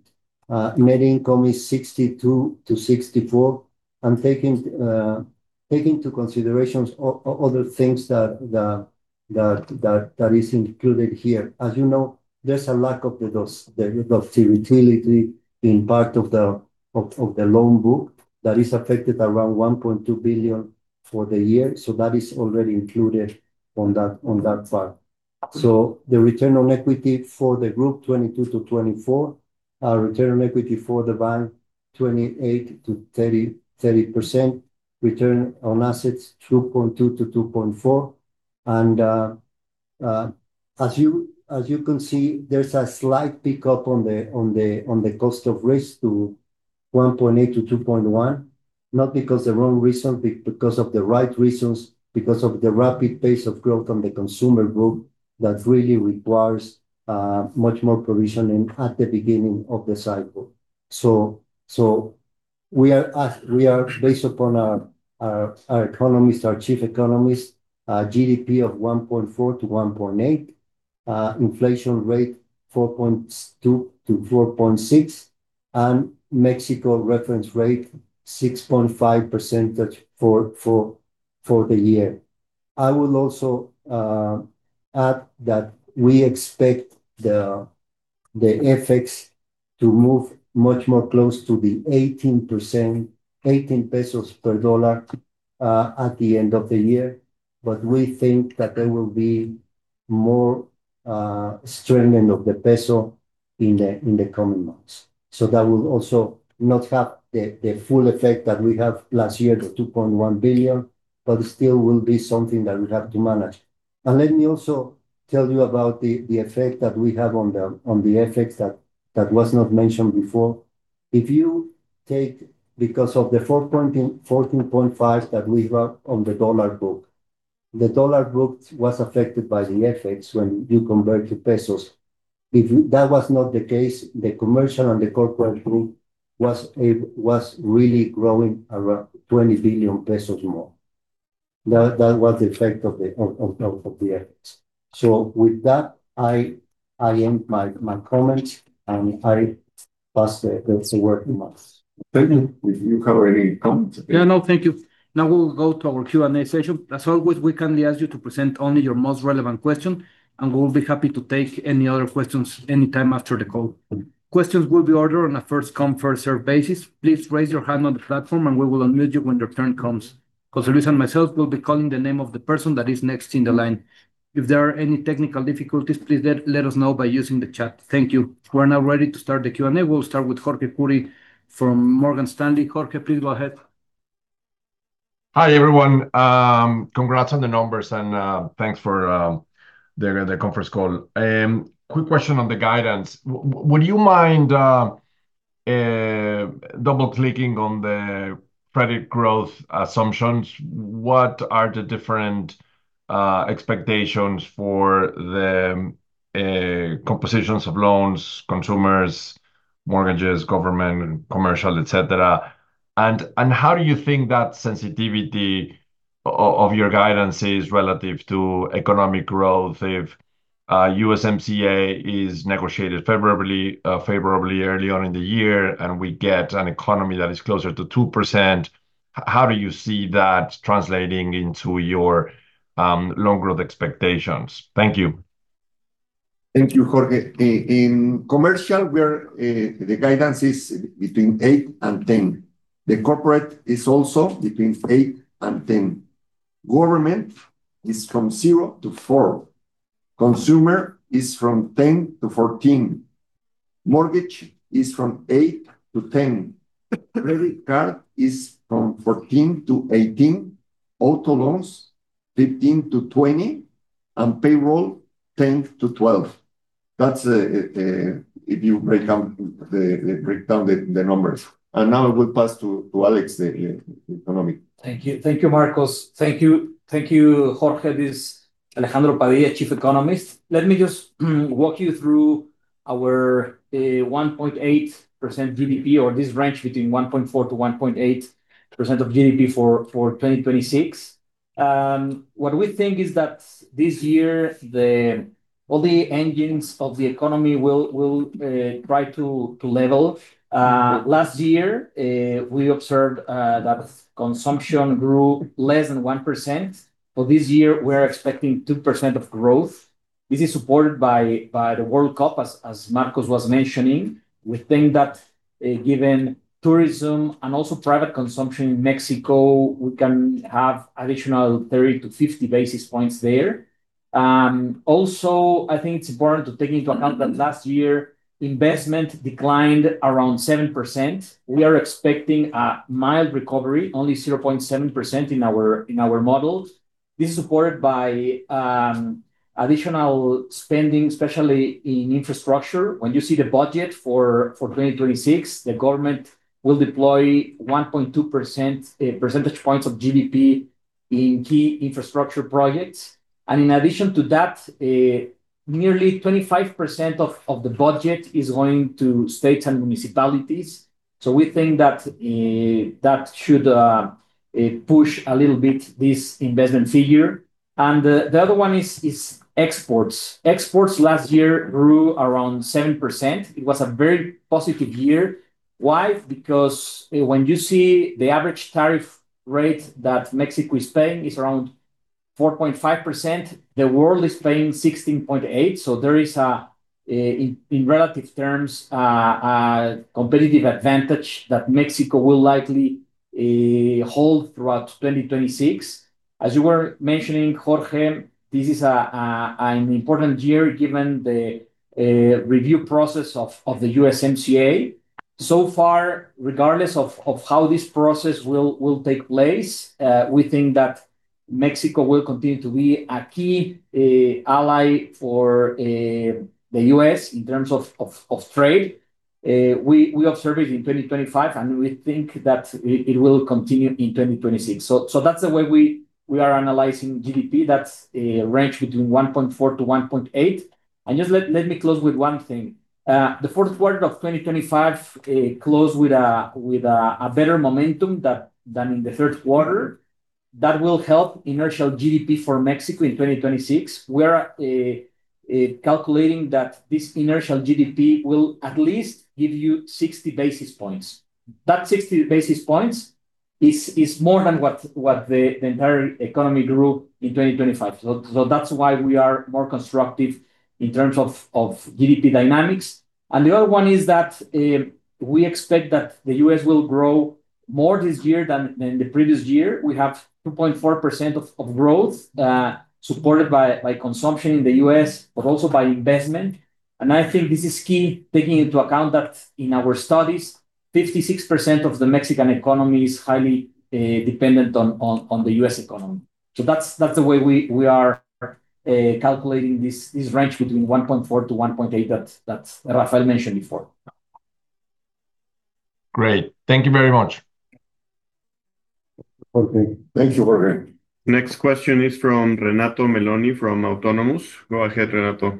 Net income is 62 billion-64 billion. Taking into consideration other things that is included here. As you know, there's a lack of the profitability in part of the loan book that is affected around 1.2 billion for the year, so that is already included on that part. So the return on equity for the group, 22%-24%. Return on equity for the bank, 28%-30%, 30%. Return on assets, 2.2%-2.4%. As you can see, there's a slight pickup on the cost of risk to 1.8%-2.1%. Not because the wrong reason, because of the right reasons, because of the rapid pace of growth on the consumer group that really requires much more provisioning at the beginning of the cycle. So we are, based upon our economist, our chief economist, GDP of 1.4%-1.8%. Inflation rate, 4.2%-4.6%, and Mexico reference rate, 6.5% for the year. I will also add that we expect the FX to move much more close to the 18, 18 pesos per dollar at the end of the year, but we think that there will be more strengthening of the peso in the coming months. So that will also not have the full effect that we had last year, the 2.1 billion, but still will be something that we have to manage. And let me also tell you about the effect that we have on the FX that was not mentioned before. If you take, because of the 4.4-14.5 that we have on the dollar book, the dollar book was affected by the FX when you convert to pesos. If that was not the case, the commercial and the corporate group was really growing around 20 billion pesos more. That was the effect of the FX. So with that, I end my comments, and I pass the word to Marcos. Thank you. Do you have any comments? Yeah, no, thank you. Now we will go to our Q&A session. As always, we kindly ask you to present only your most relevant question, and we will be happy to take any other questions anytime after the call. Questions will be ordered on a first come, first serve basis. Please raise your hand on the platform, and we will unmute you when your turn comes. José Luis and myself will be calling the name of the person that is next in the line. If there are any technical difficulties, please let us know by using the chat. Thank you. We're now ready to start the Q&A. We'll start with Jorge Kuri from Morgan Stanley. Jorge, please go ahead. Hi, everyone. Congrats on the numbers, and thanks for the conference call. Quick question on the guidance. Would you mind double-clicking on the credit growth assumptions? What are the different expectations for the compositions of loans, consumers, mortgages, government, and commercial, et cetera? And how do you think that sensitivity of your guidance is relative to economic growth if USMCA is negotiated favorably early on in the year, and we get an economy that is closer to 2%? How do you see that translating into your loan growth expectations? Thank you. Thank you, Jorge. In commercial, we're, the guidance is between 8 and 10. The corporate is also between 8 and 10. Government is from 0 to 4, consumer is from 10 to 14, mortgage is from 8 to 10, credit card is from 14 to 18, auto loans 15 to 20, and payroll 10 to 12. That's if you break down the numbers. And now I will pass to Alex, the economy. Thank you. Thank you, Marcos. Thank you, thank you, Jorge. This is Alejandro Padilla, Chief Economist. Let me just walk you through our 1.8% GDP, or this range between 1.4%-1.8% of GDP for 2026. What we think is that this year, all the engines of the economy will try to level. Last year, we observed that consumption grew less than 1%, but this year we're expecting 2% growth. This is supported by the World Cup, as Marcos was mentioning. We think that, given tourism and also private consumption in Mexico, we can have additional 30-50 basis points there. Also, I think it's important to take into account that last year investment declined around 7%. We are expecting a mild recovery, only 0.7% in our, in our model. This is supported by additional spending, especially in infrastructure. When you see the budget for, for 2026, the government will deploy 1.2 percentage points of GDP in key infrastructure projects. And in addition to that, nearly 25% of, of the budget is going to states and municipalities, so we think that, that should push a little bit this investment figure. And the, the other one is, is exports. Exports last year grew around 7%. It was a very positive year. Why? Because, when you see the average tariff rate that Mexico is paying is around 4.5%, the world is paying 16.8%. So there is, in relative terms, a competitive advantage that Mexico will likely hold throughout 2026. As you were mentioning, Jorge, this is an important year given the review process of the USMCA. So far, regardless of how this process will take place, we think that Mexico will continue to be a key ally for the US in terms of trade. We observed it in 2025, and we think that it will continue in 2026. So that's the way we are analyzing GDP. That's a range between 1.4-1.8. And just let me close with one thing. The fourth quarter of 2025 closed with a better momentum than in the third quarter. That will help inertial GDP for Mexico in 2026. We're calculating that this inertial GDP will at least give you 60 basis points. That 60 basis points is more than what the entire economy grew in 2025. So that's why we are more constructive in terms of GDP dynamics. And the other one is that we expect that the US will grow more this year than the previous year. We have 2.4% of growth supported by consumption in the US, but also by investment. And I think this is key, taking into account that in our studies, 56% of the Mexican economy is highly dependent on the US economy. That's the way we are calculating this range between 1.4-1.8 that Rafael mentioned before. Great. Thank you very much. Okay. Thank you, Jorge. Next question is from Renato Meloni, from Autonomous. Go ahead, Renato.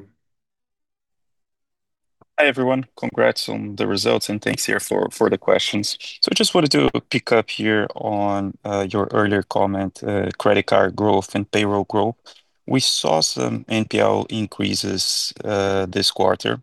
Hi, everyone. Congrats on the results, and thanks here for, for the questions. So I just wanted to pick up here on, your earlier comment, credit card growth and payroll growth. We saw some NPL increases, this quarter.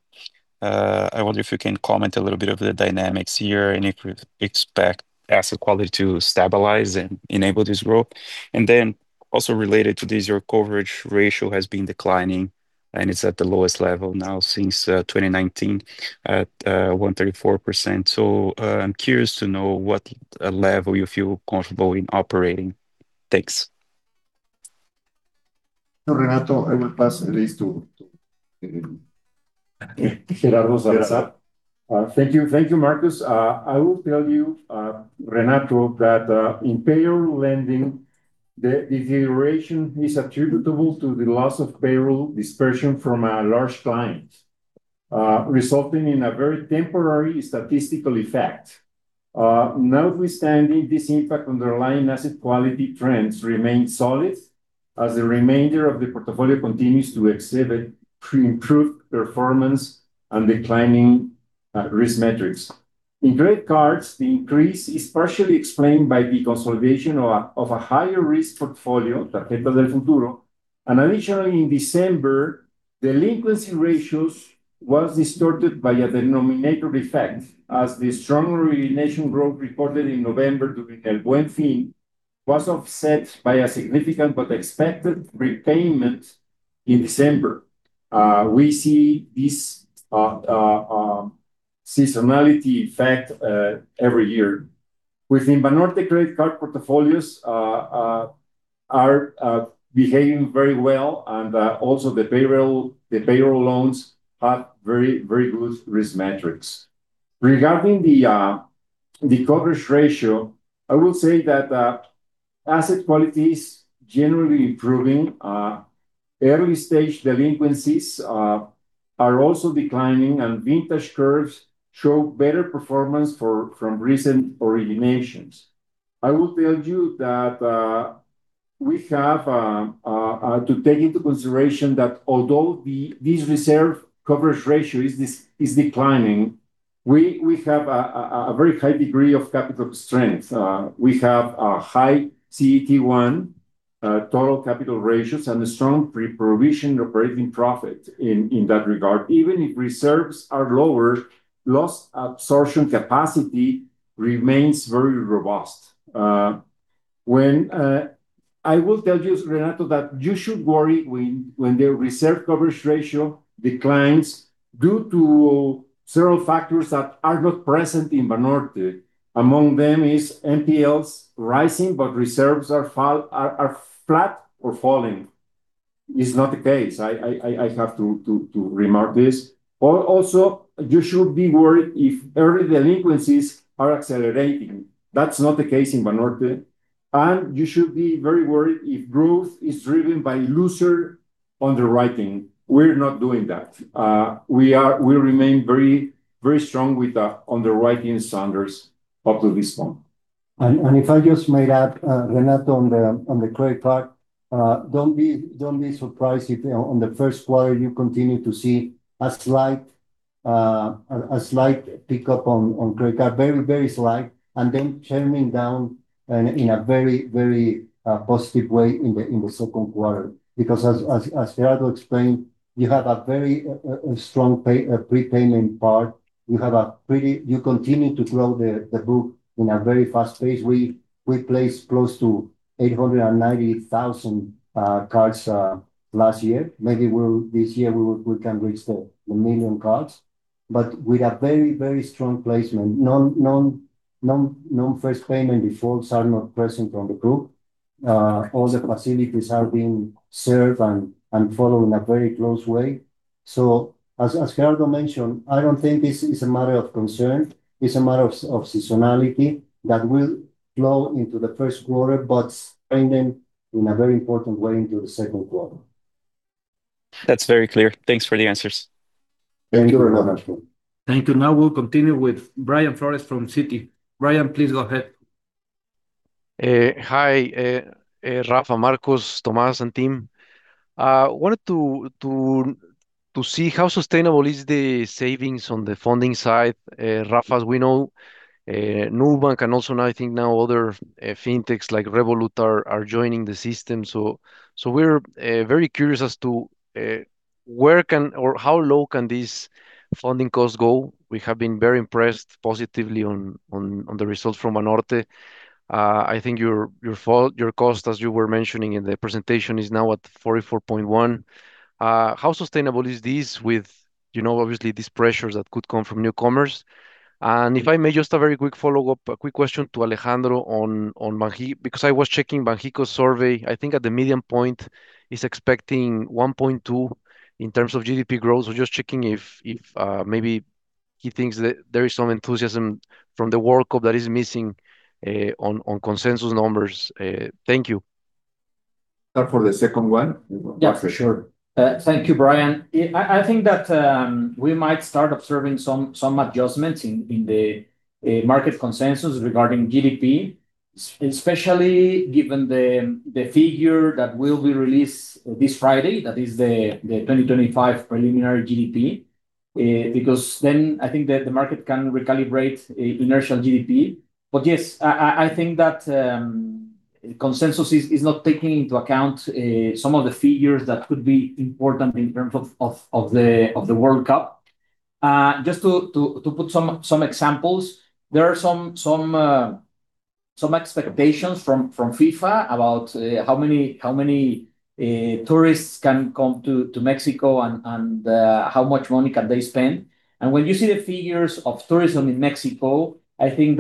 I wonder if you can comment a little bit of the dynamics here, and if you expect asset quality to stabilize and enable this growth? And then, also related to this, your coverage ratio has been declining, and it's at the lowest level now since, 2019, at, 134%. So, I'm curious to know what, level you feel comfortable in operating. Thanks. Renato, I will pass this to Gerardo Garza. Thank you. Thank you, Marcos. I will tell you, Renato, that in payroll lending, the deterioration is attributable to the loss of payroll dispersion from a large client, resulting in a very temporary statistical effect.... Notwithstanding this impact, underlying asset quality trends remain solid, as the remainder of the portfolio continues to exhibit pre-improved performance and declining risk metrics. In credit cards, the increase is partially explained by the consolidation of a higher risk portfolio, Tarjetas del Futuro, and additionally, in December, delinquency ratios was distorted by a denominator effect, as the strong origination growth reported in November during El Buen Fin was offset by a significant but expected repayment in December. We see this seasonality effect every year. Within Banorte credit card portfolios are behaving very well, and also the payroll loans have very, very good risk metrics. Regarding the coverage ratio, I will say that asset quality is generally improving. Early-stage delinquencies are also declining, and vintage curves show better performance from recent originations. I will tell you that we have to take into consideration that although this reserve coverage ratio is declining, we have a very high degree of capital strength. We have a high CET1, total capital ratios, and a strong pre-provision operating profit in that regard. Even if reserves are lower, loss absorption capacity remains very robust. I will tell you, Renato, that you should worry when the reserve coverage ratio declines due to several factors that are not present in Banorte. Among them is NPLs rising, but reserves are flat or falling. It's not the case. I have to remark this. Also, you should be worried if early delinquencies are accelerating. That's not the case in Banorte, and you should be very worried if growth is driven by looser underwriting. We're not doing that. We remain very, very strong with the underwriting standards up to this point. If I just may add, Renato, on the credit part, don't be surprised if on the first quarter, you continue to see a slight, a slight pickup on credit card. Very, very slight, and then churning down in a very, very positive way in the second quarter. Because as Gerardo explained, you have a very strong prepayment part. You have a pretty... You continue to grow the book in a very fast pace. We placed close to 890,000 cards last year. Maybe we'll, this year, we will, we can reach the 1 million cards, but with a very, very strong placement. Non-first payment defaults are not present from the group. All the facilities are being served and followed in a very close way. So as Gerardo mentioned, I don't think this is a matter of concern. It's a matter of seasonality that will flow into the first quarter, but trending in a very important way into the second quarter. That's very clear. Thanks for the answers. Thank you very much. Thank you. Now we'll continue with Brian Flores from Citi. Brian, please go ahead. Hi, Rafa, Marcos, Tomás, and team. Wanted to see how sustainable is the savings on the funding side. Rafa, as we know, Nubank, and also now I think now other fintechs like Revolut are joining the system. So we're very curious as to where can or how low can these funding costs go? We have been very impressed positively on the results from Banorte. I think your cost, as you were mentioning in the presentation, is now at 44.1. How sustainable is this with, you know, obviously these pressures that could come from newcomers? And if I may, just a very quick follow-up, a quick question to Alejandro on Banxico, because I was checking Banxico's survey. I think at the medium point, he's expecting 1.2 in terms of GDP growth. So just checking if maybe he thinks that there is some enthusiasm from the World Cup that is missing on consensus numbers. Thank you. For the second one? Yeah, for sure. Thank you, Brian. I think that we might start observing some adjustments in the market consensus regarding GDP, especially given the figure that will be released this Friday, that is the 2025 preliminary GDP, because then I think that the market can recalibrate inertial GDP. But yes, I think that consensus is not taking into account some of the figures that could be important in terms of the World Cup. Just to put some examples, there are some expectations from FIFA about how many tourists can come to Mexico, and how much money can they spend. When you see the figures of tourism in Mexico, I think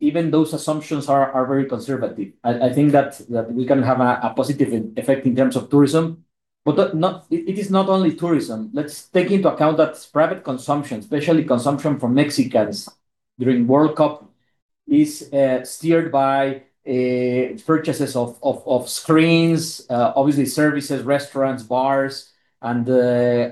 that even those assumptions are very conservative. I think that we can have a positive effect in terms of tourism, but not... It is not only tourism. Let's take into account that private consumption, especially consumption from Mexicans during World Cup-... is steered by purchases of screens, obviously services, restaurants, bars, and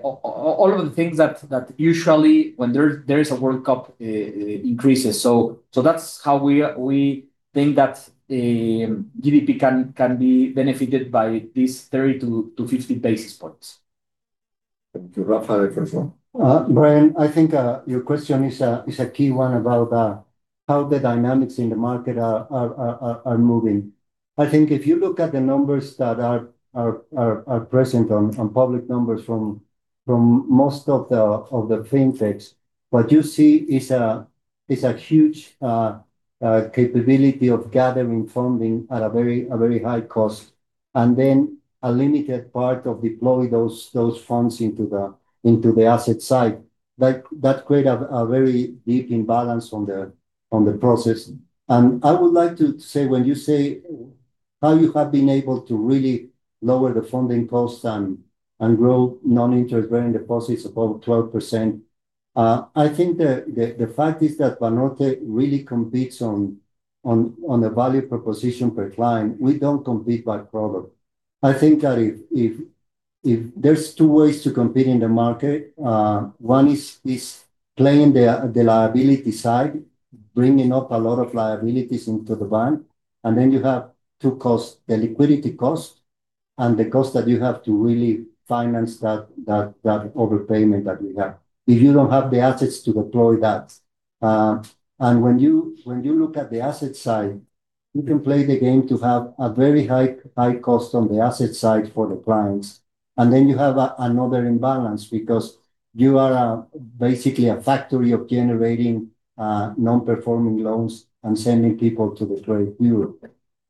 all of the things that usually when there is a World Cup, it increases. So that's how we are-- we think that GDP can be benefited by this 30-50 basis points. To Rafael, first of all. Brian, I think your question is a key one about how the dynamics in the market are moving. I think if you look at the numbers that are present on public numbers from most of the fintechs, what you see is a huge capability of gathering funding at a very high cost, and then a limited part of deploying those funds into the asset side. Like, that create a very deep imbalance on the process. I would like to say, when you say how you have been able to really lower the funding costs and grow non-interest bearing deposits above 12%, I think the fact is that Banorte really competes on the value proposition per client. We don't compete by product. I think that if... There's two ways to compete in the market, one is playing the liability side, bringing up a lot of liabilities into the bank, and then you have two costs: the liquidity cost, and the cost that you have to really finance that overpayment that you have, if you don't have the assets to deploy that. And when you, when you look at the asset side, you can play the game to have a very high, high cost on the asset side for the clients, and then you have another imbalance because you are basically a factory of generating non-performing loans and sending people to the credit bureau.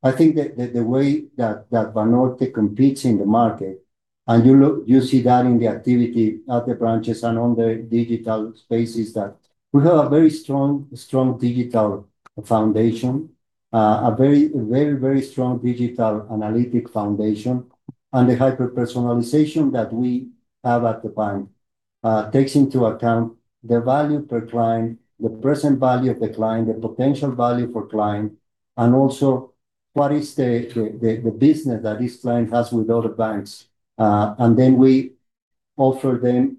I think that the way that Banorte competes in the market, and you look, you see that in the activity at the branches and on the digital spaces, that we have a very strong, strong digital foundation, a very, very, very strong digital analytic foundation. And the hyper-personalization that we have at the bank takes into account the value per client, the present value of the client, the potential value for client, and also what is the, the, the business that this client has with other banks. And then we offer them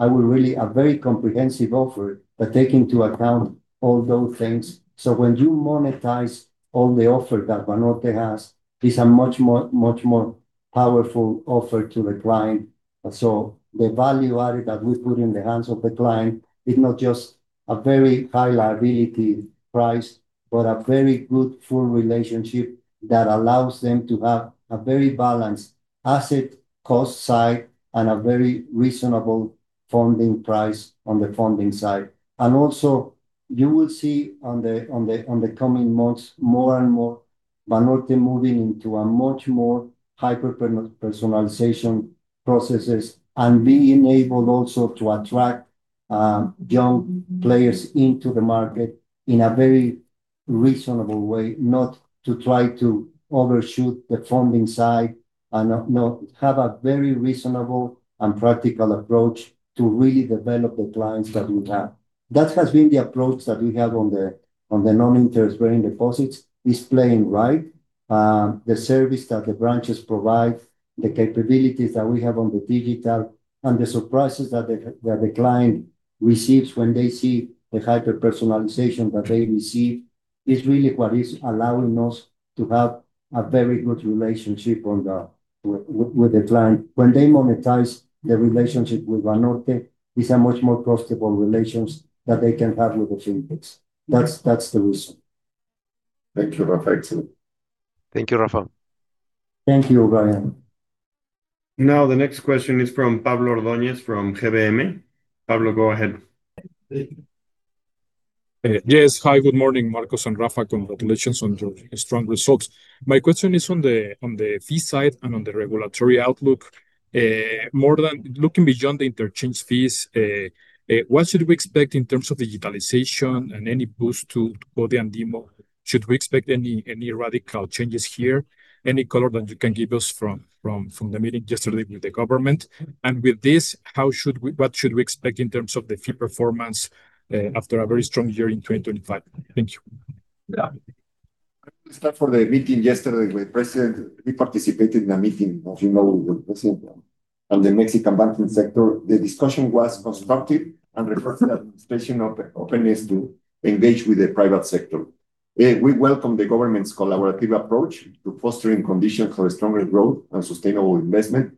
I would really a very comprehensive offer, but take into account all those things. So when you monetize all the offer that Banorte has, it's a much more, much more powerful offer to the client. So the value added that we put in the hands of the client is not just a very high liability price, but a very good, full relationship that allows them to have a very balanced asset cost side and a very reasonable funding price on the funding side. And also, you will see in the coming months, more and more Banorte moving into a much more hyper-personalization processes, and being enabled also to attract young players into the market in a very reasonable way, not to try to overshoot the funding side, and not... Have a very reasonable and practical approach to really develop the clients that you have. That has been the approach that we have on the non-interest bearing deposits, is playing right. The service that the branches provide, the capabilities that we have on the digital, and the surprises that the client receives when they see the hyper-personalization that they receive, is really what is allowing us to have a very good relationship with the client. When they monetize the relationship with Banorte, it's a much more profitable relationship that they can have with the fintechs. That's the reason. Thank you, Rafael. Thank you, Rafael. Thank you, Brian. Now, the next question is from Pablo Ordóñez, from GBM. Pablo, go ahead. Yes. Hi, good morning, Marcos and Rafael. Congratulations on your strong results. My question is on the fee side and on the regulatory outlook. More than looking beyond the interchange fees, what should we expect in terms of digitalization and any boost to Bineo and DiMo? Should we expect any radical changes here? Any color that you can give us from the meeting yesterday with the government. And with this, how should we, what should we expect in terms of the fee performance, after a very strong year in 2025? Thank you. Yeah. Let's start with the meeting yesterday with the President. We participated in a meeting, as you know, with the President and the Mexican banking sector. The discussion was constructive and reflected the administration's openness to engage with the private sector. We welcome the government's collaborative approach to fostering conditions for a stronger growth and sustainable investment,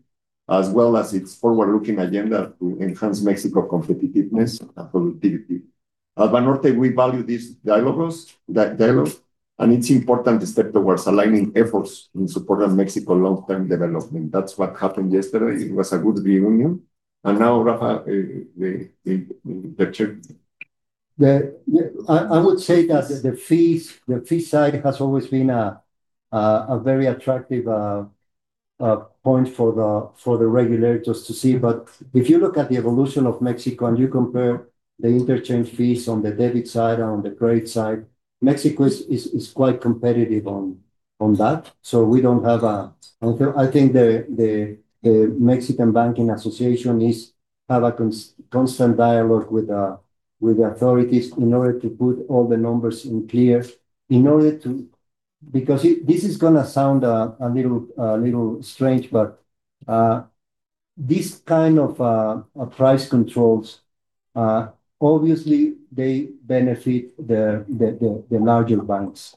as well as its forward-looking agenda to enhance Mexico's competitiveness and productivity. At Banorte, we value these dialogues, and it's an important step towards aligning efforts in support of Mexico's long-term development. That's what happened yesterday. It was a good reunion. Now, Rafa, the check. Yeah, I would say that the fees, the fee side has always been a very attractive point for the regulators to see. But if you look at the evolution of Mexico, and you compare the interchange fees on the debit side and on the credit side, Mexico is quite competitive on that, so we don't have a, I think the Mexican Banking Association has a constant dialogue with the authorities in order to put all the numbers in clear, in order to. Because it, this is gonna sound a little strange, but this kind of price controls obviously they benefit the larger banks,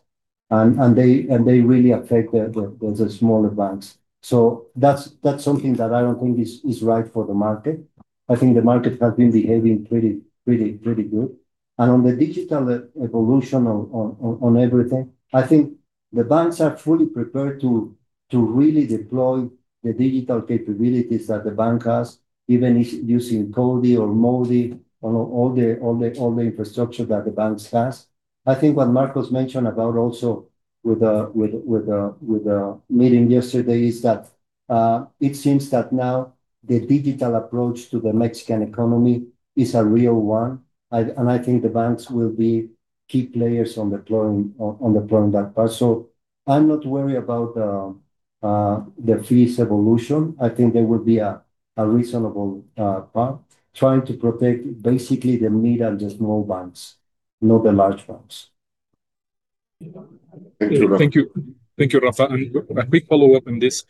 and they really affect the smaller banks. So that's something that I don't think is right for the market. I think the market has been behaving pretty good. And on the digital evolution on everything, I think the banks are fully prepared to really deploy the digital capabilities that the bank has, even if using CoDi or DiMo on all the infrastructure that the banks has. I think what Marcos mentioned about also with the meeting yesterday is that it seems that now the digital approach to the Mexican economy is a real one, and I think the banks will be key players on deploying that part. So I'm not worried about the fees evolution. I think there will be a reasonable part trying to protect basically the mid and the small banks, not the large banks. Thank you. Thank you. Thank you, Rafa. And a quick follow-up on this,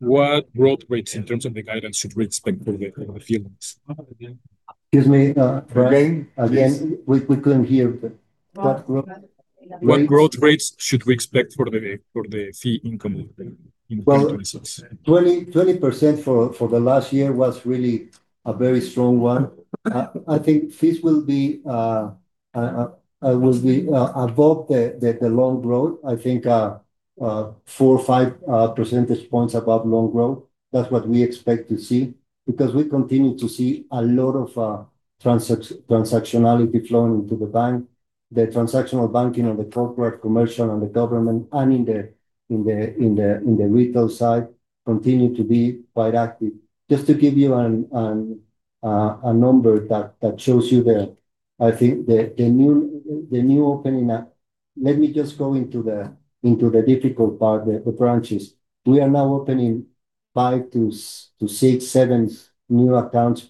what growth rates in terms of the guidance should we expect for the few months? Excuse me, again? Again, we, we couldn't hear, but what growth? What growth rates should we expect for the fee income in- Well, 20%-20% for the last year was really a very strong one. I think fees will be above the loan growth. I think four or five percentage points above loan growth. That's what we expect to see, because we continue to see a lot of transactionality flowing into the bank. The transactional banking on the corporate, commercial, and the government, and in the retail side continue to be quite active. Just to give you a number that shows you the... I think the new opening up. Let me just go into the difficult part, the branches. We are now opening 5 to 6 to 7 new accounts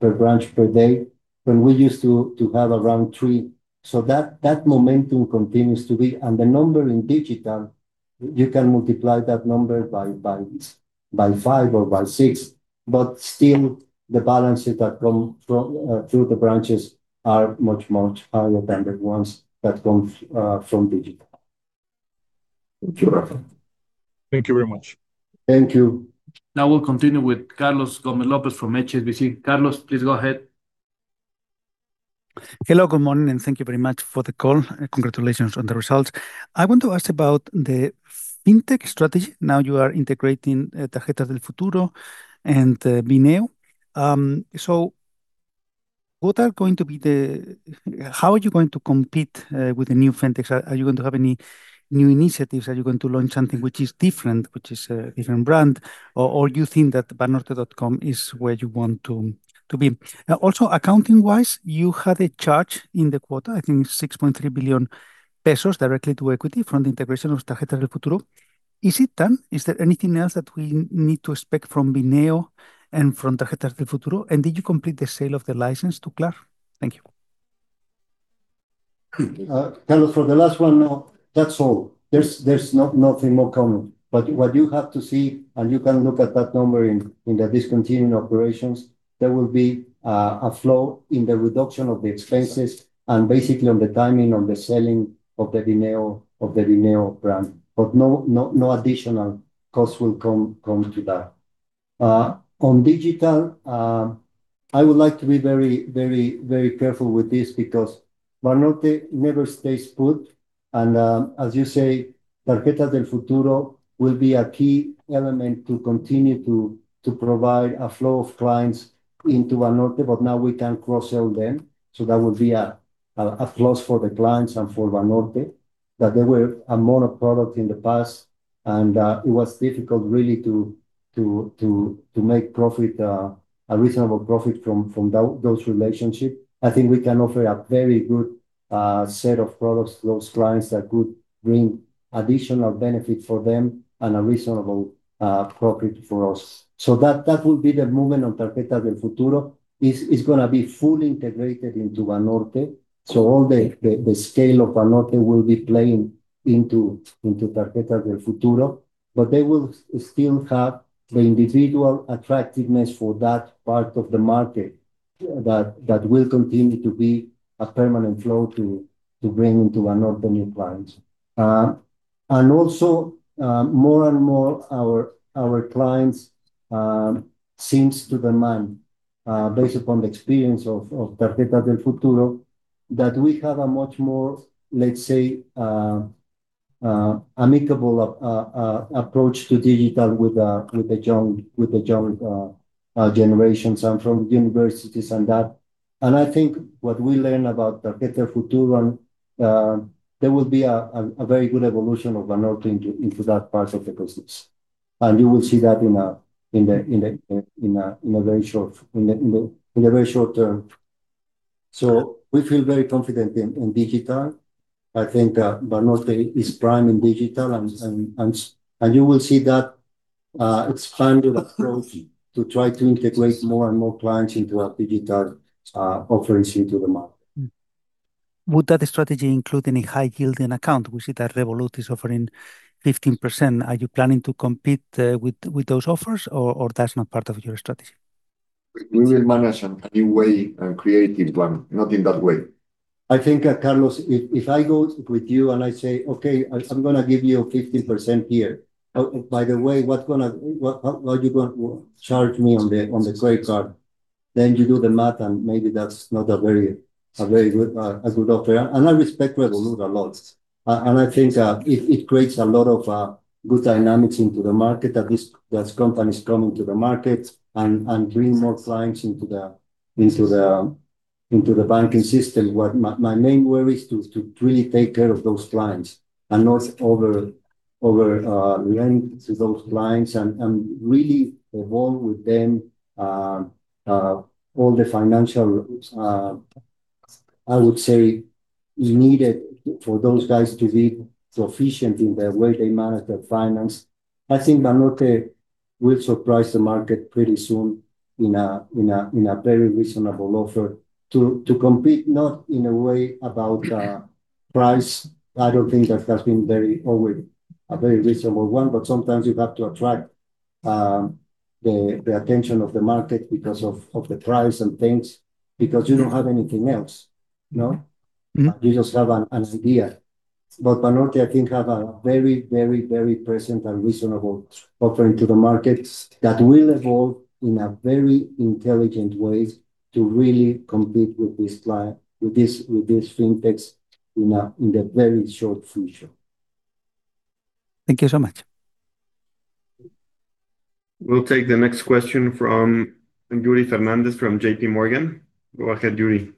per branch per day, when we used to have around 3. So that momentum continues to be... And the number in digital, you can multiply that number by 5 or by 6, but still, the balances that come from through the branches are much higher than the ones that come from digital. Thank you, Rafa. Thank you very much. Thank you. Now we'll continue with Carlos Gómez-López from HSBC. Carlos, please go ahead. Hello, good morning, and thank you very much for the call, and congratulations on the results. I want to ask about the fintech strategy. Now you are integrating Tarjetas del Futuro and Bineo. So what are going to be the... How are you going to compete with the new fintechs? Are you going to have any new initiatives? Are you going to launch something which is different, which is a different brand, or you think that Banorte.com is where you want to be? Now, also, accounting-wise, you had a charge in the quarter, I think 6.3 billion pesos directly to equity from the integration of Tarjetas del Futuro. Is it done? Is there anything else that we need to expect from Bineo and from Tarjetas del Futuro? And did you complete the sale of the license to Klar? Thank you. Carlos, for the last one, no, that's all. There's nothing more coming. But what you have to see, and you can look at that number in the discontinuing operations, there will be a flow in the reduction of the expenses and basically on the timing on the selling of the Bineo, of the Bineo brand. But no, no, no additional costs will come to that. On digital, I would like to be very, very, very careful with this, because Banorte never stays put, and as you say, Tarjetas del Futuro will be a key element to continue to provide a flow of clients into Banorte, but now we can cross-sell them. So that would be a plus for the clients and for Banorte, that they were a mono product in the past, and it was difficult really to make profit, a reasonable profit from those relationships. I think we can offer a very good set of products to those clients that could bring additional benefit for them and a reasonable profit for us. So that will be the movement on Tarjetas del Futuro. It is gonna be fully integrated into Banorte, so all the scale of Banorte will be playing into Tarjetas del Futuro, but they will still have the individual attractiveness for that part of the market, that will continue to be a permanent flow to bring into Banorte new clients. And also, more and more our clients seem to demand, based upon the experience of Tarjetas del Futuro, that we have a much more, let's say, amicable approach to digital with the young generations and from universities and that. And I think what we learn about Tarjetas del Futuro, and there will be a very good evolution of Banorte into that part of the business. And you will see that in a very short term. So we feel very confident in digital. I think, Banorte is prime in digital and you will see that expanded approach to try to integrate more and more clients into our digital offerings into the market. Would that strategy include any high yielding account? We see that Revolut is offering 15%. Are you planning to compete with those offers or that's not part of your strategy? We will manage a new way, a creative one, not in that way. I think, Carlos, if I go with you and I say, "Okay, I'm gonna give you 15% here. Oh, by the way, what's gonna, what are you gonna charge me on the, on the credit card?" Then you do the math, and maybe that's not a very good offer. And I respect Revolut a lot, and I think it creates a lot of good dynamics into the market, that this, that companies come into the market and bring more clients into the banking system. What my main worry is to really take care of those clients, and not over relating to those clients and really evolve with them, all the financial I would say is needed for those guys to be proficient in the way they manage their finance. I think Banorte will surprise the market pretty soon in a very reasonable offer to compete, not in a way about price. I don't think that has been very always a very reasonable one, but sometimes you have to attract the attention of the market because of the price and things, because you don't have anything else. No? Mm-hmm. You just have an idea. But Banorte, I think, have a very, very, very present and reasonable offering to the markets that will evolve in a very intelligent way to really compete with this client, with this FinTechs in the very short future. Thank you so much. We'll take the next question from Yuri Fernandes from J.P. Morgan. Go ahead, Yuri.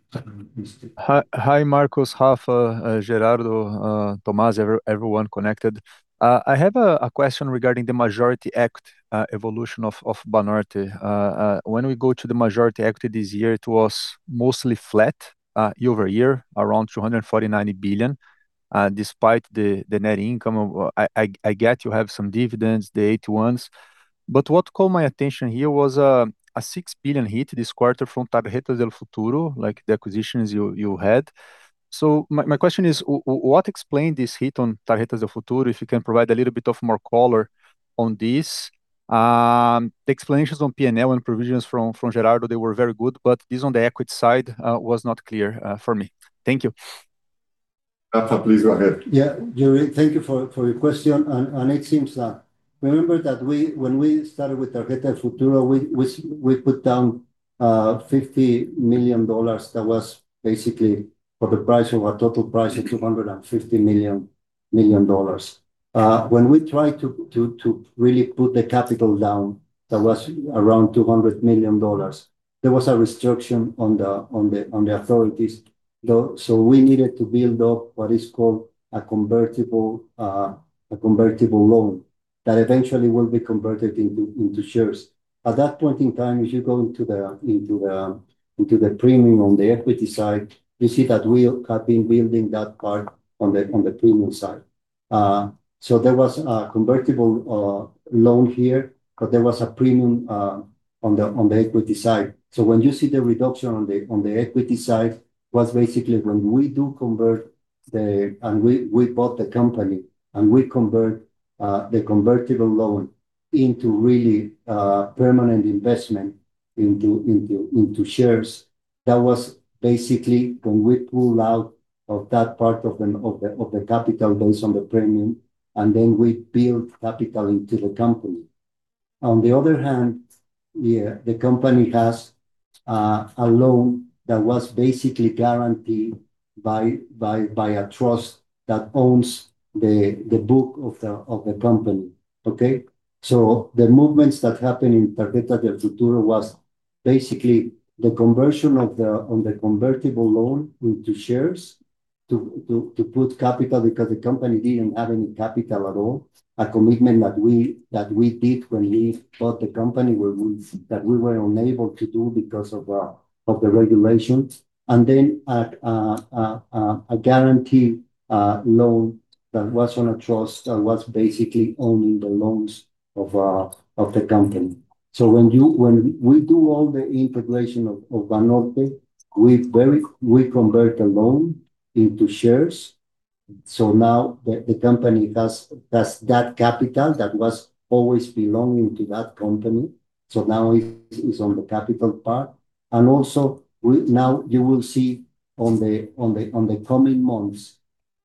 Hi, hi, Marcos, Rafa, Gerardo, Tomas, everyone connected. I have a question regarding the majority equity evolution of Banorte. When we go to the majority equity this year, it was mostly flat year-over-year, around 249 billion, despite the net income of... I get you have some dividends, the 81s. But what caught my attention here was a 6 billion hit this quarter from Tarjetas del Futuro, like the acquisitions you had. So my question is, what explained this hit on Tarjetas del Futuro? If you can provide a little bit more color on this. The explanations on P&L and provisions from Gerardo, they were very good, but this on the equity side was not clear for me. Thank you. Rafa, please go ahead. Yeah, Yuri, thank you for your question. And it seems that... Remember that when we started with Tarjetas del Futuro, we put down $50 million. That was basically for the price of a total price of $250 million dollars. When we tried to really put the capital down, that was around $200 million dollars, there was a restriction on the authorities, though, so we needed to build up what is called a convertible loan that eventually will be converted into shares. At that point in time, if you go into the premium on the equity side, you see that we have been building that part on the premium side. So there was a convertible loan here, but there was a premium on the equity side. So when you see the reduction on the equity side, was basically when we do convert the. And we bought the company, and we convert the convertible loan into really permanent investment into shares. That was basically when we pulled out of that part of the capital based on the premium, and then we built capital into the company. On the other hand, yeah, the company has a loan that was basically guaranteed by a trust that owns the book of the company. Okay? So the movements that happened in Tarjetas del Futuro was basically the conversion of the convertible loan into shares to put capital, because the company didn't have any capital at all. A commitment that we did when we bought the company, where we were unable to do because of the regulations. And then a guarantee loan that was on a trust, that was basically owning the loans of the company. So when we do all the integration of Banorte, we convert the loan into shares. So now the company has that capital that was always belonging to that company, so now it's on the capital part. Also, now you will see in the coming months,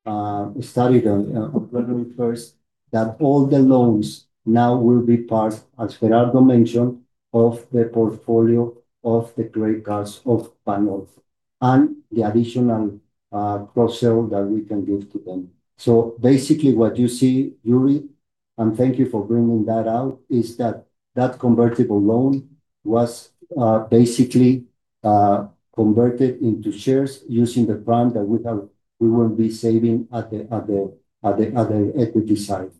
we started on January 1st, that all the loans now will be part, as Gerardo mentioned, of the portfolio of the credit cards of Banorte, and the additional cross-sell that we can give to them. So basically what you see, Yuri, and thank you for bringing that out, is that that convertible loan was basically converted into shares using the plan that we have, we will be saving at the equity side....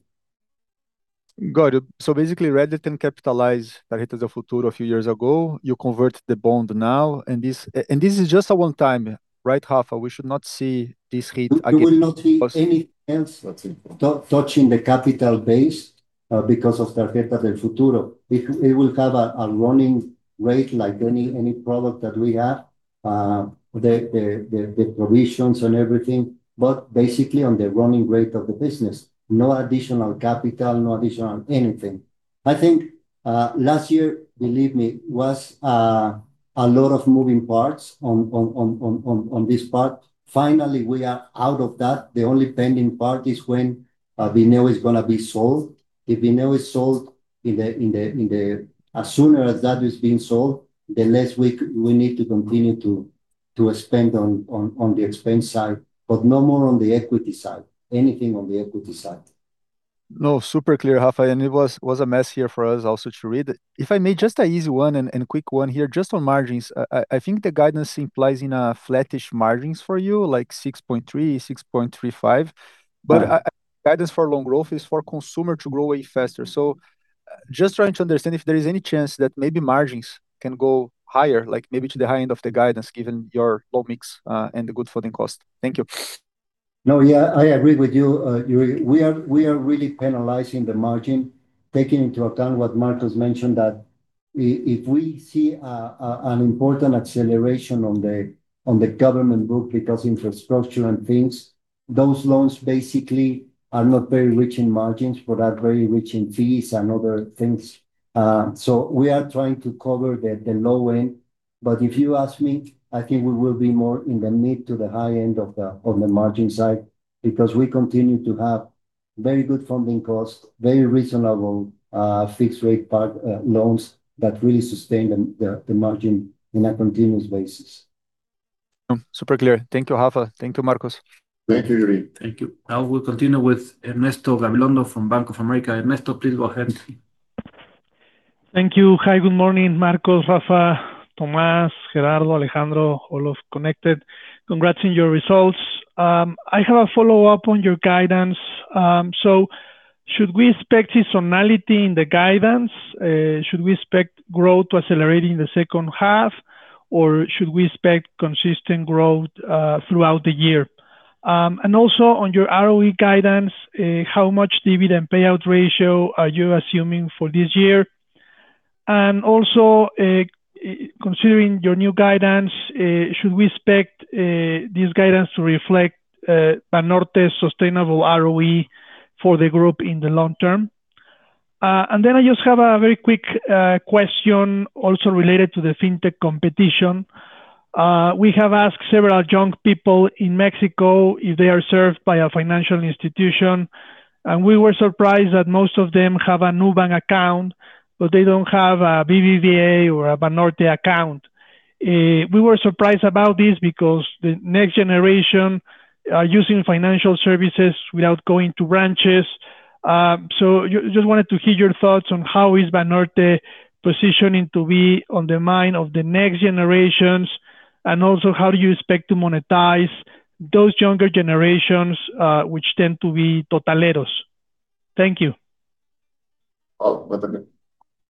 Got it. So basically Rappi Latam capitalized Tarjetas del Futuro a few years ago. You convert the bond now, and this and this is just a one time, right, Rafa? We should not see this hit again. We will not see anything else- That's important... touching the capital base, because of Tarjeta del Futuro. It will have a running rate like any product that we have. The provisions and everything, but basically on the running rate of the business, no additional capital, no additional anything. I think last year, believe me, was a lot of moving parts on this part. Finally, we are out of that. The only pending part is when Bineo is gonna be sold. If Bineo is sold in the—as soon as that is being sold, the less we need to continue to spend on the expense side, but no more on the equity side. Anything on the equity side. No, super clear, Rafa, and it was a mess here for us also to read it. If I may, just a easy one and a quick one here, just on margins. I think the guidance implies in flattish margins for you, like 6.3, 6.35. Yeah. Guidance for long growth is for consumer to grow way faster. Just trying to understand if there is any chance that maybe margins can go higher, like maybe to the high end of the guidance, given your low mix, and the good funding cost. Thank you. No, yeah, I agree with you. We are really penalizing the margin, taking into account what Marcos mentioned, that if we see an important acceleration on the government group, because infrastructure and things, those loans basically are not very rich in margins, but are very rich in fees and other things. So we are trying to cover the low end, but if you ask me, I think we will be more in the mid to the high end of the margin side, because we continue to have very good funding costs, very reasonable fixed rate part loans that really sustain the margin in a continuous basis. Oh, super clear. Thank you, Rafa. Thank you, Marcos. Thank you, Yuri. Thank you. Now we'll continue with Ernesto Gabilondo from Bank of America. Ernesto, please go ahead. Thank you. Hi, good morning, Marcos, Rafa, Tomás, Gerardo, Alejandro, all of connected. Congrats on your results. I have a follow-up on your guidance. So should we expect seasonality in the guidance? Should we expect growth to accelerate in the second half, or should we expect consistent growth, throughout the year? And also on your ROE guidance, how much dividend payout ratio are you assuming for this year? And also, considering your new guidance, should we expect this guidance to reflect Banorte's sustainable ROE for the group in the long term? And then I just have a very quick question also related to the fintech competition. We have asked several young people in Mexico if they are served by a financial institution, and we were surprised that most of them have a Nu Bank account, but they don't have a BBVA or a Banorte account. We were surprised about this because the next generation are using financial services without going to branches. So just wanted to hear your thoughts on how is Banorte positioning to be on the mind of the next generations, and also, how do you expect to monetize those younger generations, which tend to be totaleros? Thank you. Oh,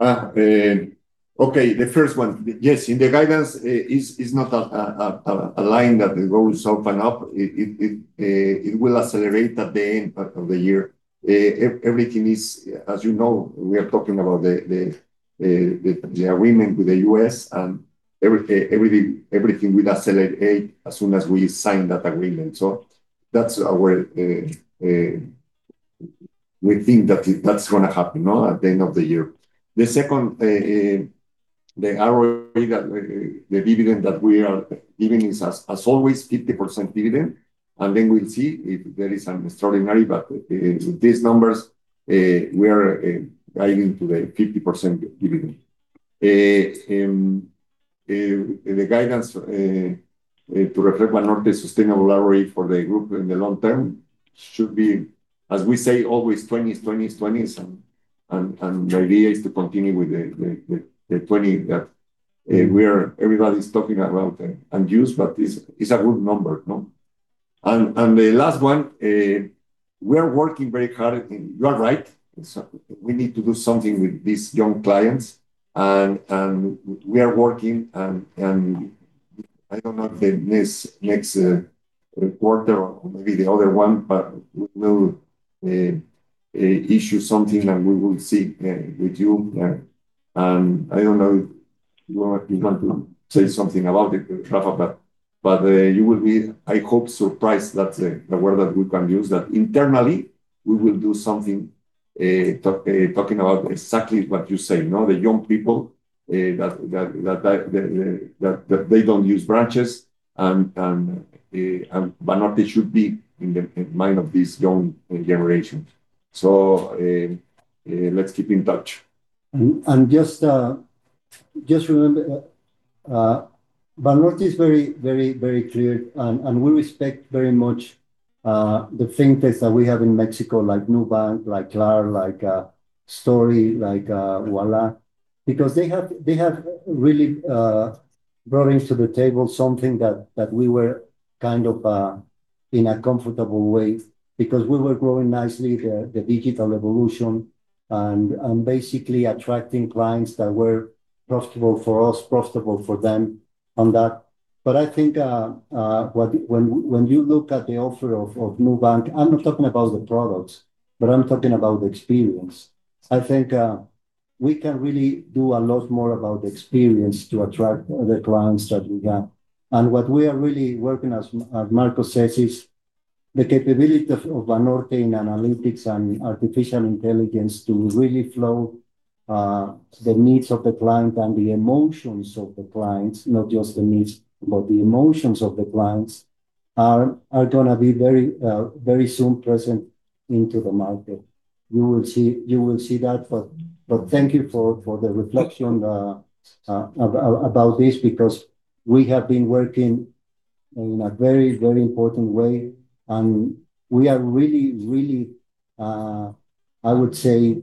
okay, the first one. Yes, in the guidance is not a line that goes open up. It will accelerate at the end of the year. Everything is... As you know, we are talking about the agreement with the U.S. and everything will accelerate as soon as we sign that agreement. So that's our, we think that that's gonna happen, you know, at the end of the year. The second, the ROE that the dividend that we are giving is as always, 50% dividend, and then we'll see if there is an extraordinary, but these numbers, we are guiding to the 50% dividend. The guidance to reflect Banorte sustainable ROE for the group in the long term should be, as we say, always 20s, 20s, 20s, and the idea is to continue with the 20 that we are—everybody's talking about and use, but it's a good number, no? And the last one, we are working very hard, and you are right, so we need to do something with these young clients, and we are working, and I don't know if the next quarter or maybe the other one, but we will issue something, and we will see with you. I don't know if you are going to say something about it, Rafa, but you will be, I hope, surprised. That's the word that we can use, that internally we will do something, talking about exactly what you say, you know, the young people that they don't use branches, and Banorte should be in the mind of this young generation. So, let's keep in touch. Just remember, Banorte is very, very, very clear, and we respect very much the fintechs that we have in Mexico, like Nu Bank, like Klar, like Stori, like Ualá, because they have really brought to the table something that we were kind of in a comfortable way, because we were growing nicely, the digital evolution and basically attracting clients that were profitable for us, profitable for them on that. But I think, when you look at the offer of Nu Bank, I'm not talking about the products, but I'm talking about the experience. I think we can really do a lot more about the experience to attract the clients that we have. What we are really working, as Marcos says, is the capability of Banorte in analytics and artificial intelligence to really flow the needs of the client and the emotions of the clients, not just the needs, but the emotions of the clients are gonna be very very soon present into the market. You will see, you will see that, but thank you for the reflection about this, because we have been working in a very very important way, and we are really really, I would say,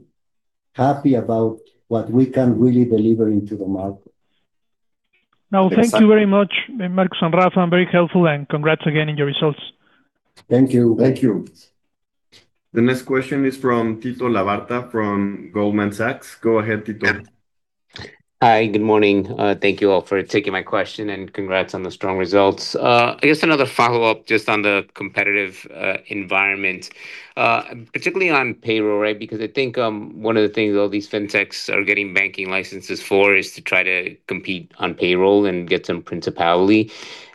happy about what we can really deliver into the market. Now, thank you very much, Marcos and Rafa. Very helpful, and congrats again on your results. Thank you. Thank you. The next question is from Tito Labarta, from Goldman Sachs. Go ahead, Tito. Hi, good morning. Thank you all for taking my question, and congrats on the strong results. I guess another follow-up just on the competitive environment, particularly on payroll, right? Because I think, one of the things all these fintechs are getting banking licenses for is to try to compete on payroll and get some principality.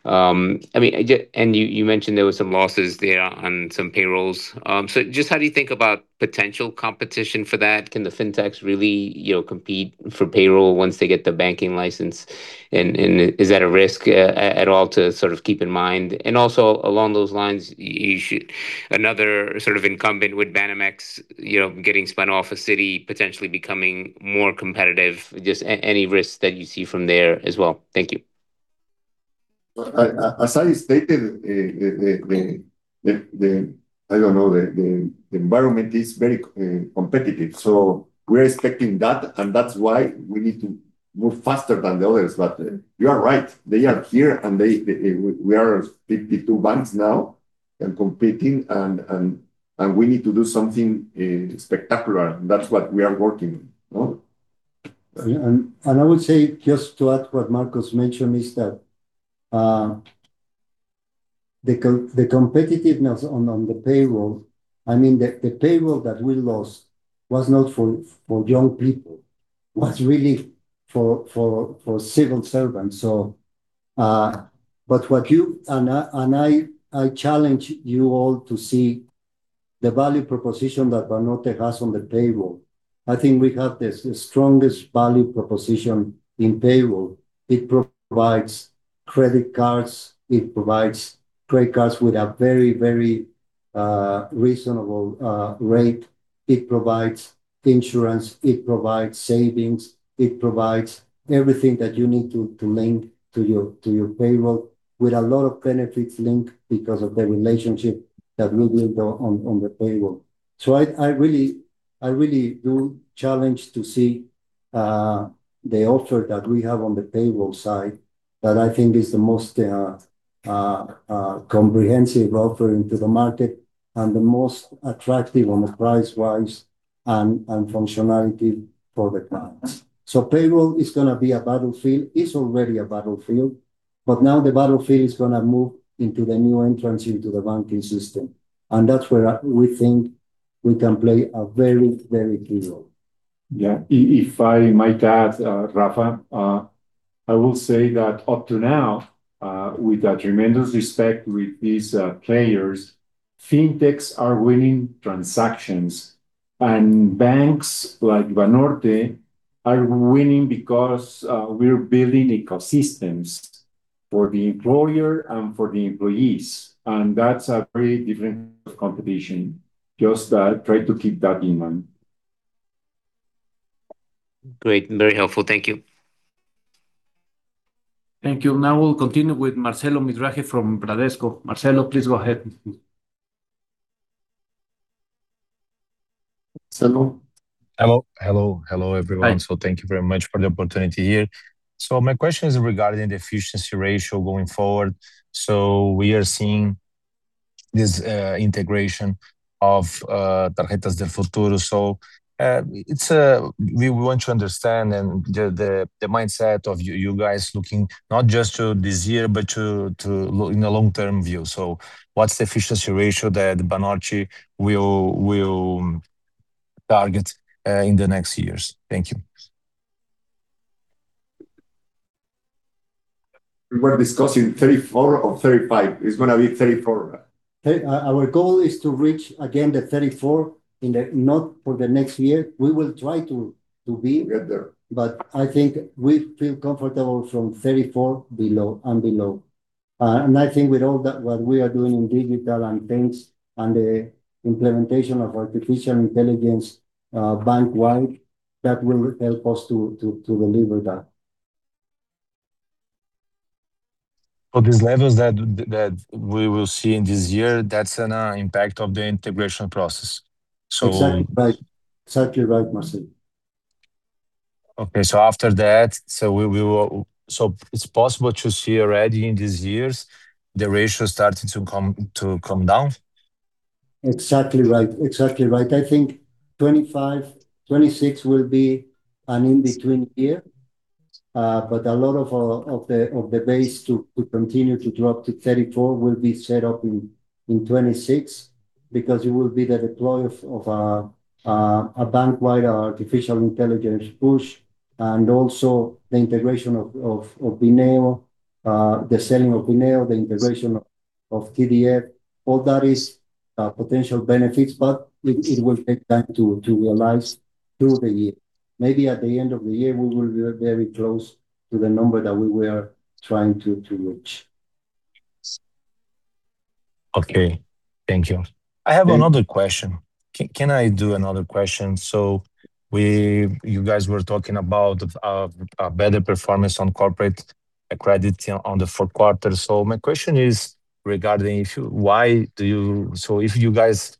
I mean, yeah, and you, you mentioned there were some losses there on some payrolls. So just how do you think about potential competition for that? Can the fintechs really, you know, compete for payroll once they get the banking license? And, and is that a risk, at all to sort of keep in mind? And also, along those lines, another sort of incumbent with Banamex, you know, getting spun off Citi, potentially becoming more competitive. Just any risks that you see from there as well. Thank you. Well, as I stated, I don't know, the environment is very competitive, so we're expecting that, and that's why we need to move faster than the others. But you are right, they are here, and they we are 52 banks now and competing, and we need to do something spectacular, and that's what we are working on. I would say, just to add to what Marcos mentioned, is that the competitiveness on the payroll, I mean, the payroll that we lost was not for young people, was really for civil servants. But what you... I challenge you all to see the value proposition that Banorte has on the table. I think we have the strongest value proposition in payroll. It provides credit cards, it provides credit cards with a very, very reasonable rate. It provides insurance, it provides savings, it provides everything that you need to link to your payroll, with a lot of benefits linked because of the relationship that we build on the payroll. So I, I really, I really do challenge to see the offer that we have on the payroll side, that I think is the most comprehensive offering to the market and the most attractive on the price-wise, and, and functionality for the clients. So payroll is gonna be a battlefield, it's already a battlefield, but now the battlefield is gonna move into the new entrants into the banking system, and that's where we think we can play a very, very key role. Yeah. If I might add, Rafa, I will say that up to now, with a tremendous respect with these players, fintechs are winning transactions, and banks like Banorte are winning because we're building ecosystems for the employer and for the employees, and that's a very different competition. Just try to keep that in mind. Great, very helpful. Thank you. Thank you. Now we'll continue with Marcelo Mizrahi from Bradesco. Marcelo, please go ahead. Marcelo? Hello. Hello, hello, everyone. Hi. So thank you very much for the opportunity here. So my question is regarding the efficiency ratio going forward. So we are seeing this integration of Tarjetas del Futuro. So it's we want to understand and the, the, the mindset of you guys looking not just to this year, but to, to, in the long-term view. So what's the efficiency ratio that Banorte will, will target in the next years? Thank you. We were discussing 34 or 35. It's gonna be 34. Our goal is to reach again the 34 in the... Not for the next year, we will try to be- Get there... But I think we feel comfortable from 34 below and below. And I think with all that, what we are doing in digital and things, and the implementation of artificial intelligence, bank-wide, that will help us to deliver that. But these levels that we will see in this year, that's an impact of the integration process, so- Exactly right. Exactly right, Marcelo.... Okay, so after that, so it's possible to see already in these years, the ratio starting to come down? Exactly right. Exactly right. I think 2025, 2026 will be an in-between year, but a lot of, of the, of the base to, to continue to drop to 34 will be set up in, in 2026, because it will be the deploy of, of a, a bandwidth, artificial intelligence push, and also the integration of, of, of Bineo, the selling of Bineo, the integration of, of TDF. All that is, potential benefits, but it, it will take time to, to realize through the year. Maybe at the end of the year, we will be very close to the number that we were trying to, to reach. Okay. Thank you. I have another question. Can I do another question? So you guys were talking about a better performance on corporate credit on the fourth quarter. So my question is regarding if you... Why do you So if you guys,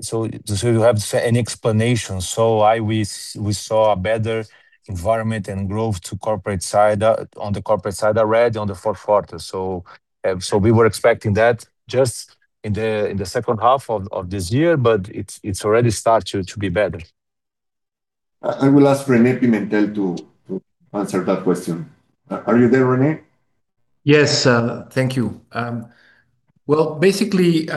so, so you have an explanation. So we saw a better environment and growth to corporate side on the corporate side already on the fourth quarter. So we were expecting that just in the second half of this year, but it's already start to be better. I will ask René Pimentel to answer that question. Are you there, René? Yes, thank you. Well, basically,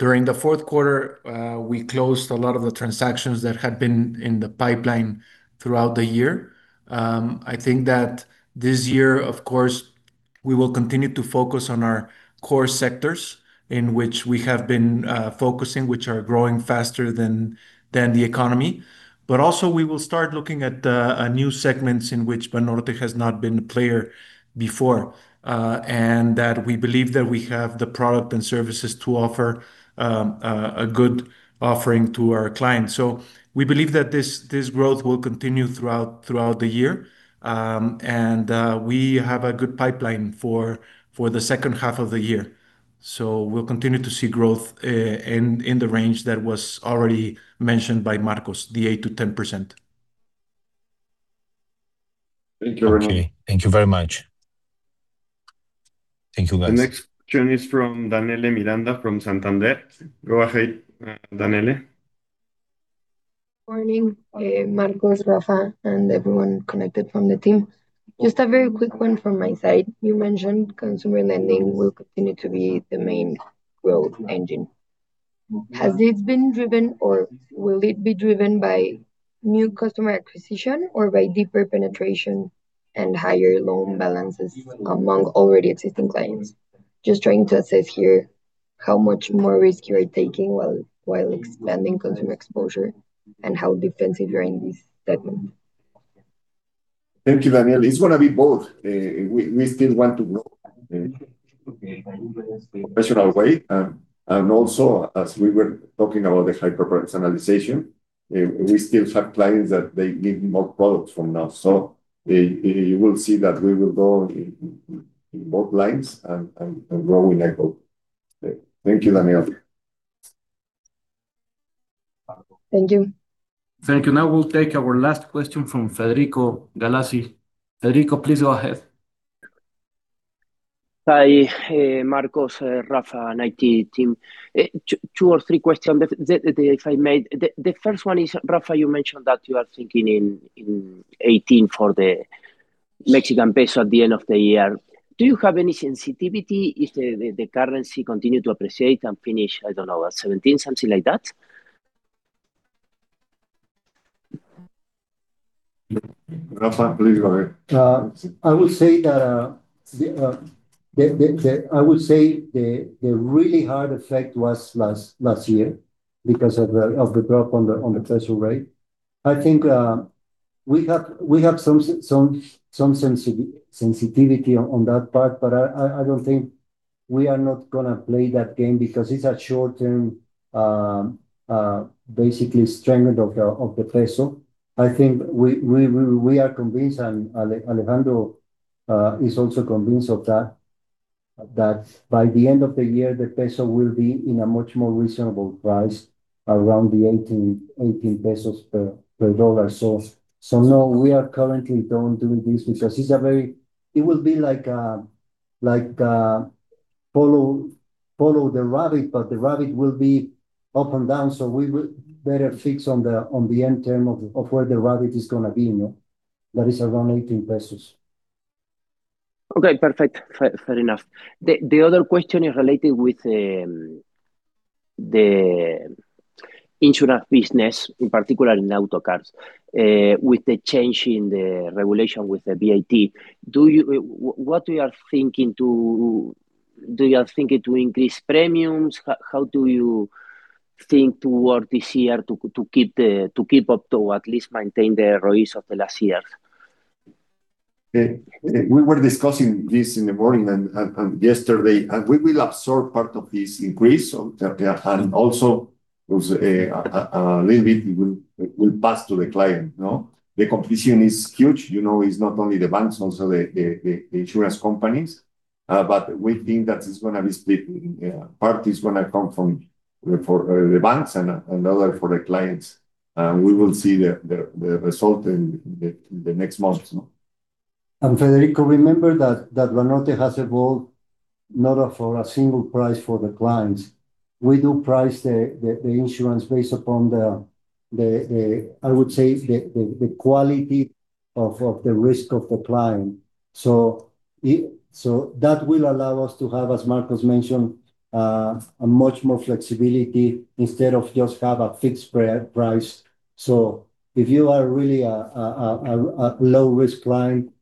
during the fourth quarter, we closed a lot of the transactions that had been in the pipeline throughout the year. I think that this year, of course, we will continue to focus on our core sectors in which we have been focusing, which are growing faster than the economy. But also we will start looking at a new segments in which Banorte has not been a player before, and that we believe that we have the product and services to offer a good offering to our clients. So we believe that this growth will continue throughout the year, and we have a good pipeline for the second half of the year. So we'll continue to see growth in the range that was already mentioned by Marcos, the 8%-10%. Thank you, René. Okay. Thank you very much. Thank you, guys. The next question is from Daniele Miranda, from Santander. Go ahead, Daniele. Morning, Marcos, Rafa, and everyone connected from the team. Just a very quick one from my side. You mentioned consumer lending will continue to be the main growth engine. Has it been driven or will it be driven by new customer acquisition, or by deeper penetration and higher loan balances among already existing clients? Just trying to assess here how much more risk you are taking while expanding consumer exposure, and how defensive you are in this segment. Thank you, Daniele. It's gonna be both. We still want to grow in a professional way, and also, as we were talking about the hyper-personalization, we still have clients that they need more products from us. So you will see that we will go in both lines and grow, I hope. Thank you, Daniele. Thank you. Thank you. Now, we'll take our last question from Federico Galassi. Federico, please go ahead. Hi, Marcos, Rafa, and IT team. 2 or 3 questions that if I may. The first one is, Rafa, you mentioned that you are thinking in 18 for the Mexican peso at the end of the year. Do you have any sensitivity if the currency continue to appreciate and finish, I don't know, at 17, something like that? Rafa, please go ahead. I would say the really hard effect was last year because of the drop on the peso rate. I think we have some sensitivity on that part, but I don't think we are not gonna play that game because it's a short-term basically strengthening of the peso. I think we are convinced, and Alejandro is also convinced of that, that by the end of the year, the peso will be in a much more reasonable price around 18 pesos per dollar. So no, we are currently not doing this because it's a very... It will be like, follow the rabbit, but the rabbit will be up and down, so we will better fix on the end term of where the rabbit is gonna be, no? That is around 18 pesos. Okay, perfect. Fair, fair enough. The other question is related with the insurance business, in particular in auto cars, with the change in the regulation, with the VAT. Do you... What you are thinking to— Do you are thinking to increase premiums? How do you think toward this year to keep up to at least maintain the ROEs of the last years? We were discussing this in the morning and yesterday, and we will absorb part of this increase, and also there's a little bit we pass to the client, no? The competition is huge. You know, it's not only the banks, also the insurance companies, but we think that it's gonna be split. Part is gonna come from for the banks and other for the clients, and we will see the result in the next months, no? And Federico, remember that Banorte has evolved not for a single price for the clients. We do price the insurance based upon the, I would say, the quality of the risk of the client. So that will allow us to have, as Marcos mentioned, a much more flexibility instead of just have a fixed price. So if you are really a low-risk client,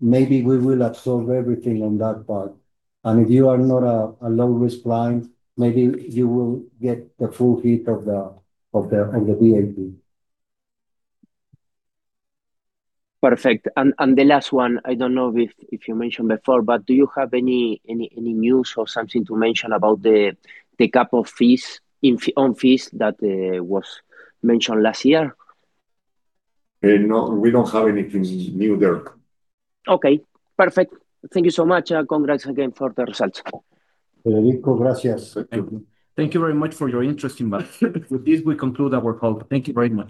maybe we will absorb everything on that part. And if you are not a low-risk client, maybe you will get the full heat of the and the VIT. Perfect. And the last one, I don't know if you mentioned before, but do you have any news or something to mention about the cap of fees on fees that was mentioned last year? No, we don't have anything new there. Okay, perfect. Thank you so much, and congrats again for the results. Federico, gracias. Thank you very much for your interest in Banorte. With this, we conclude our call. Thank you very much.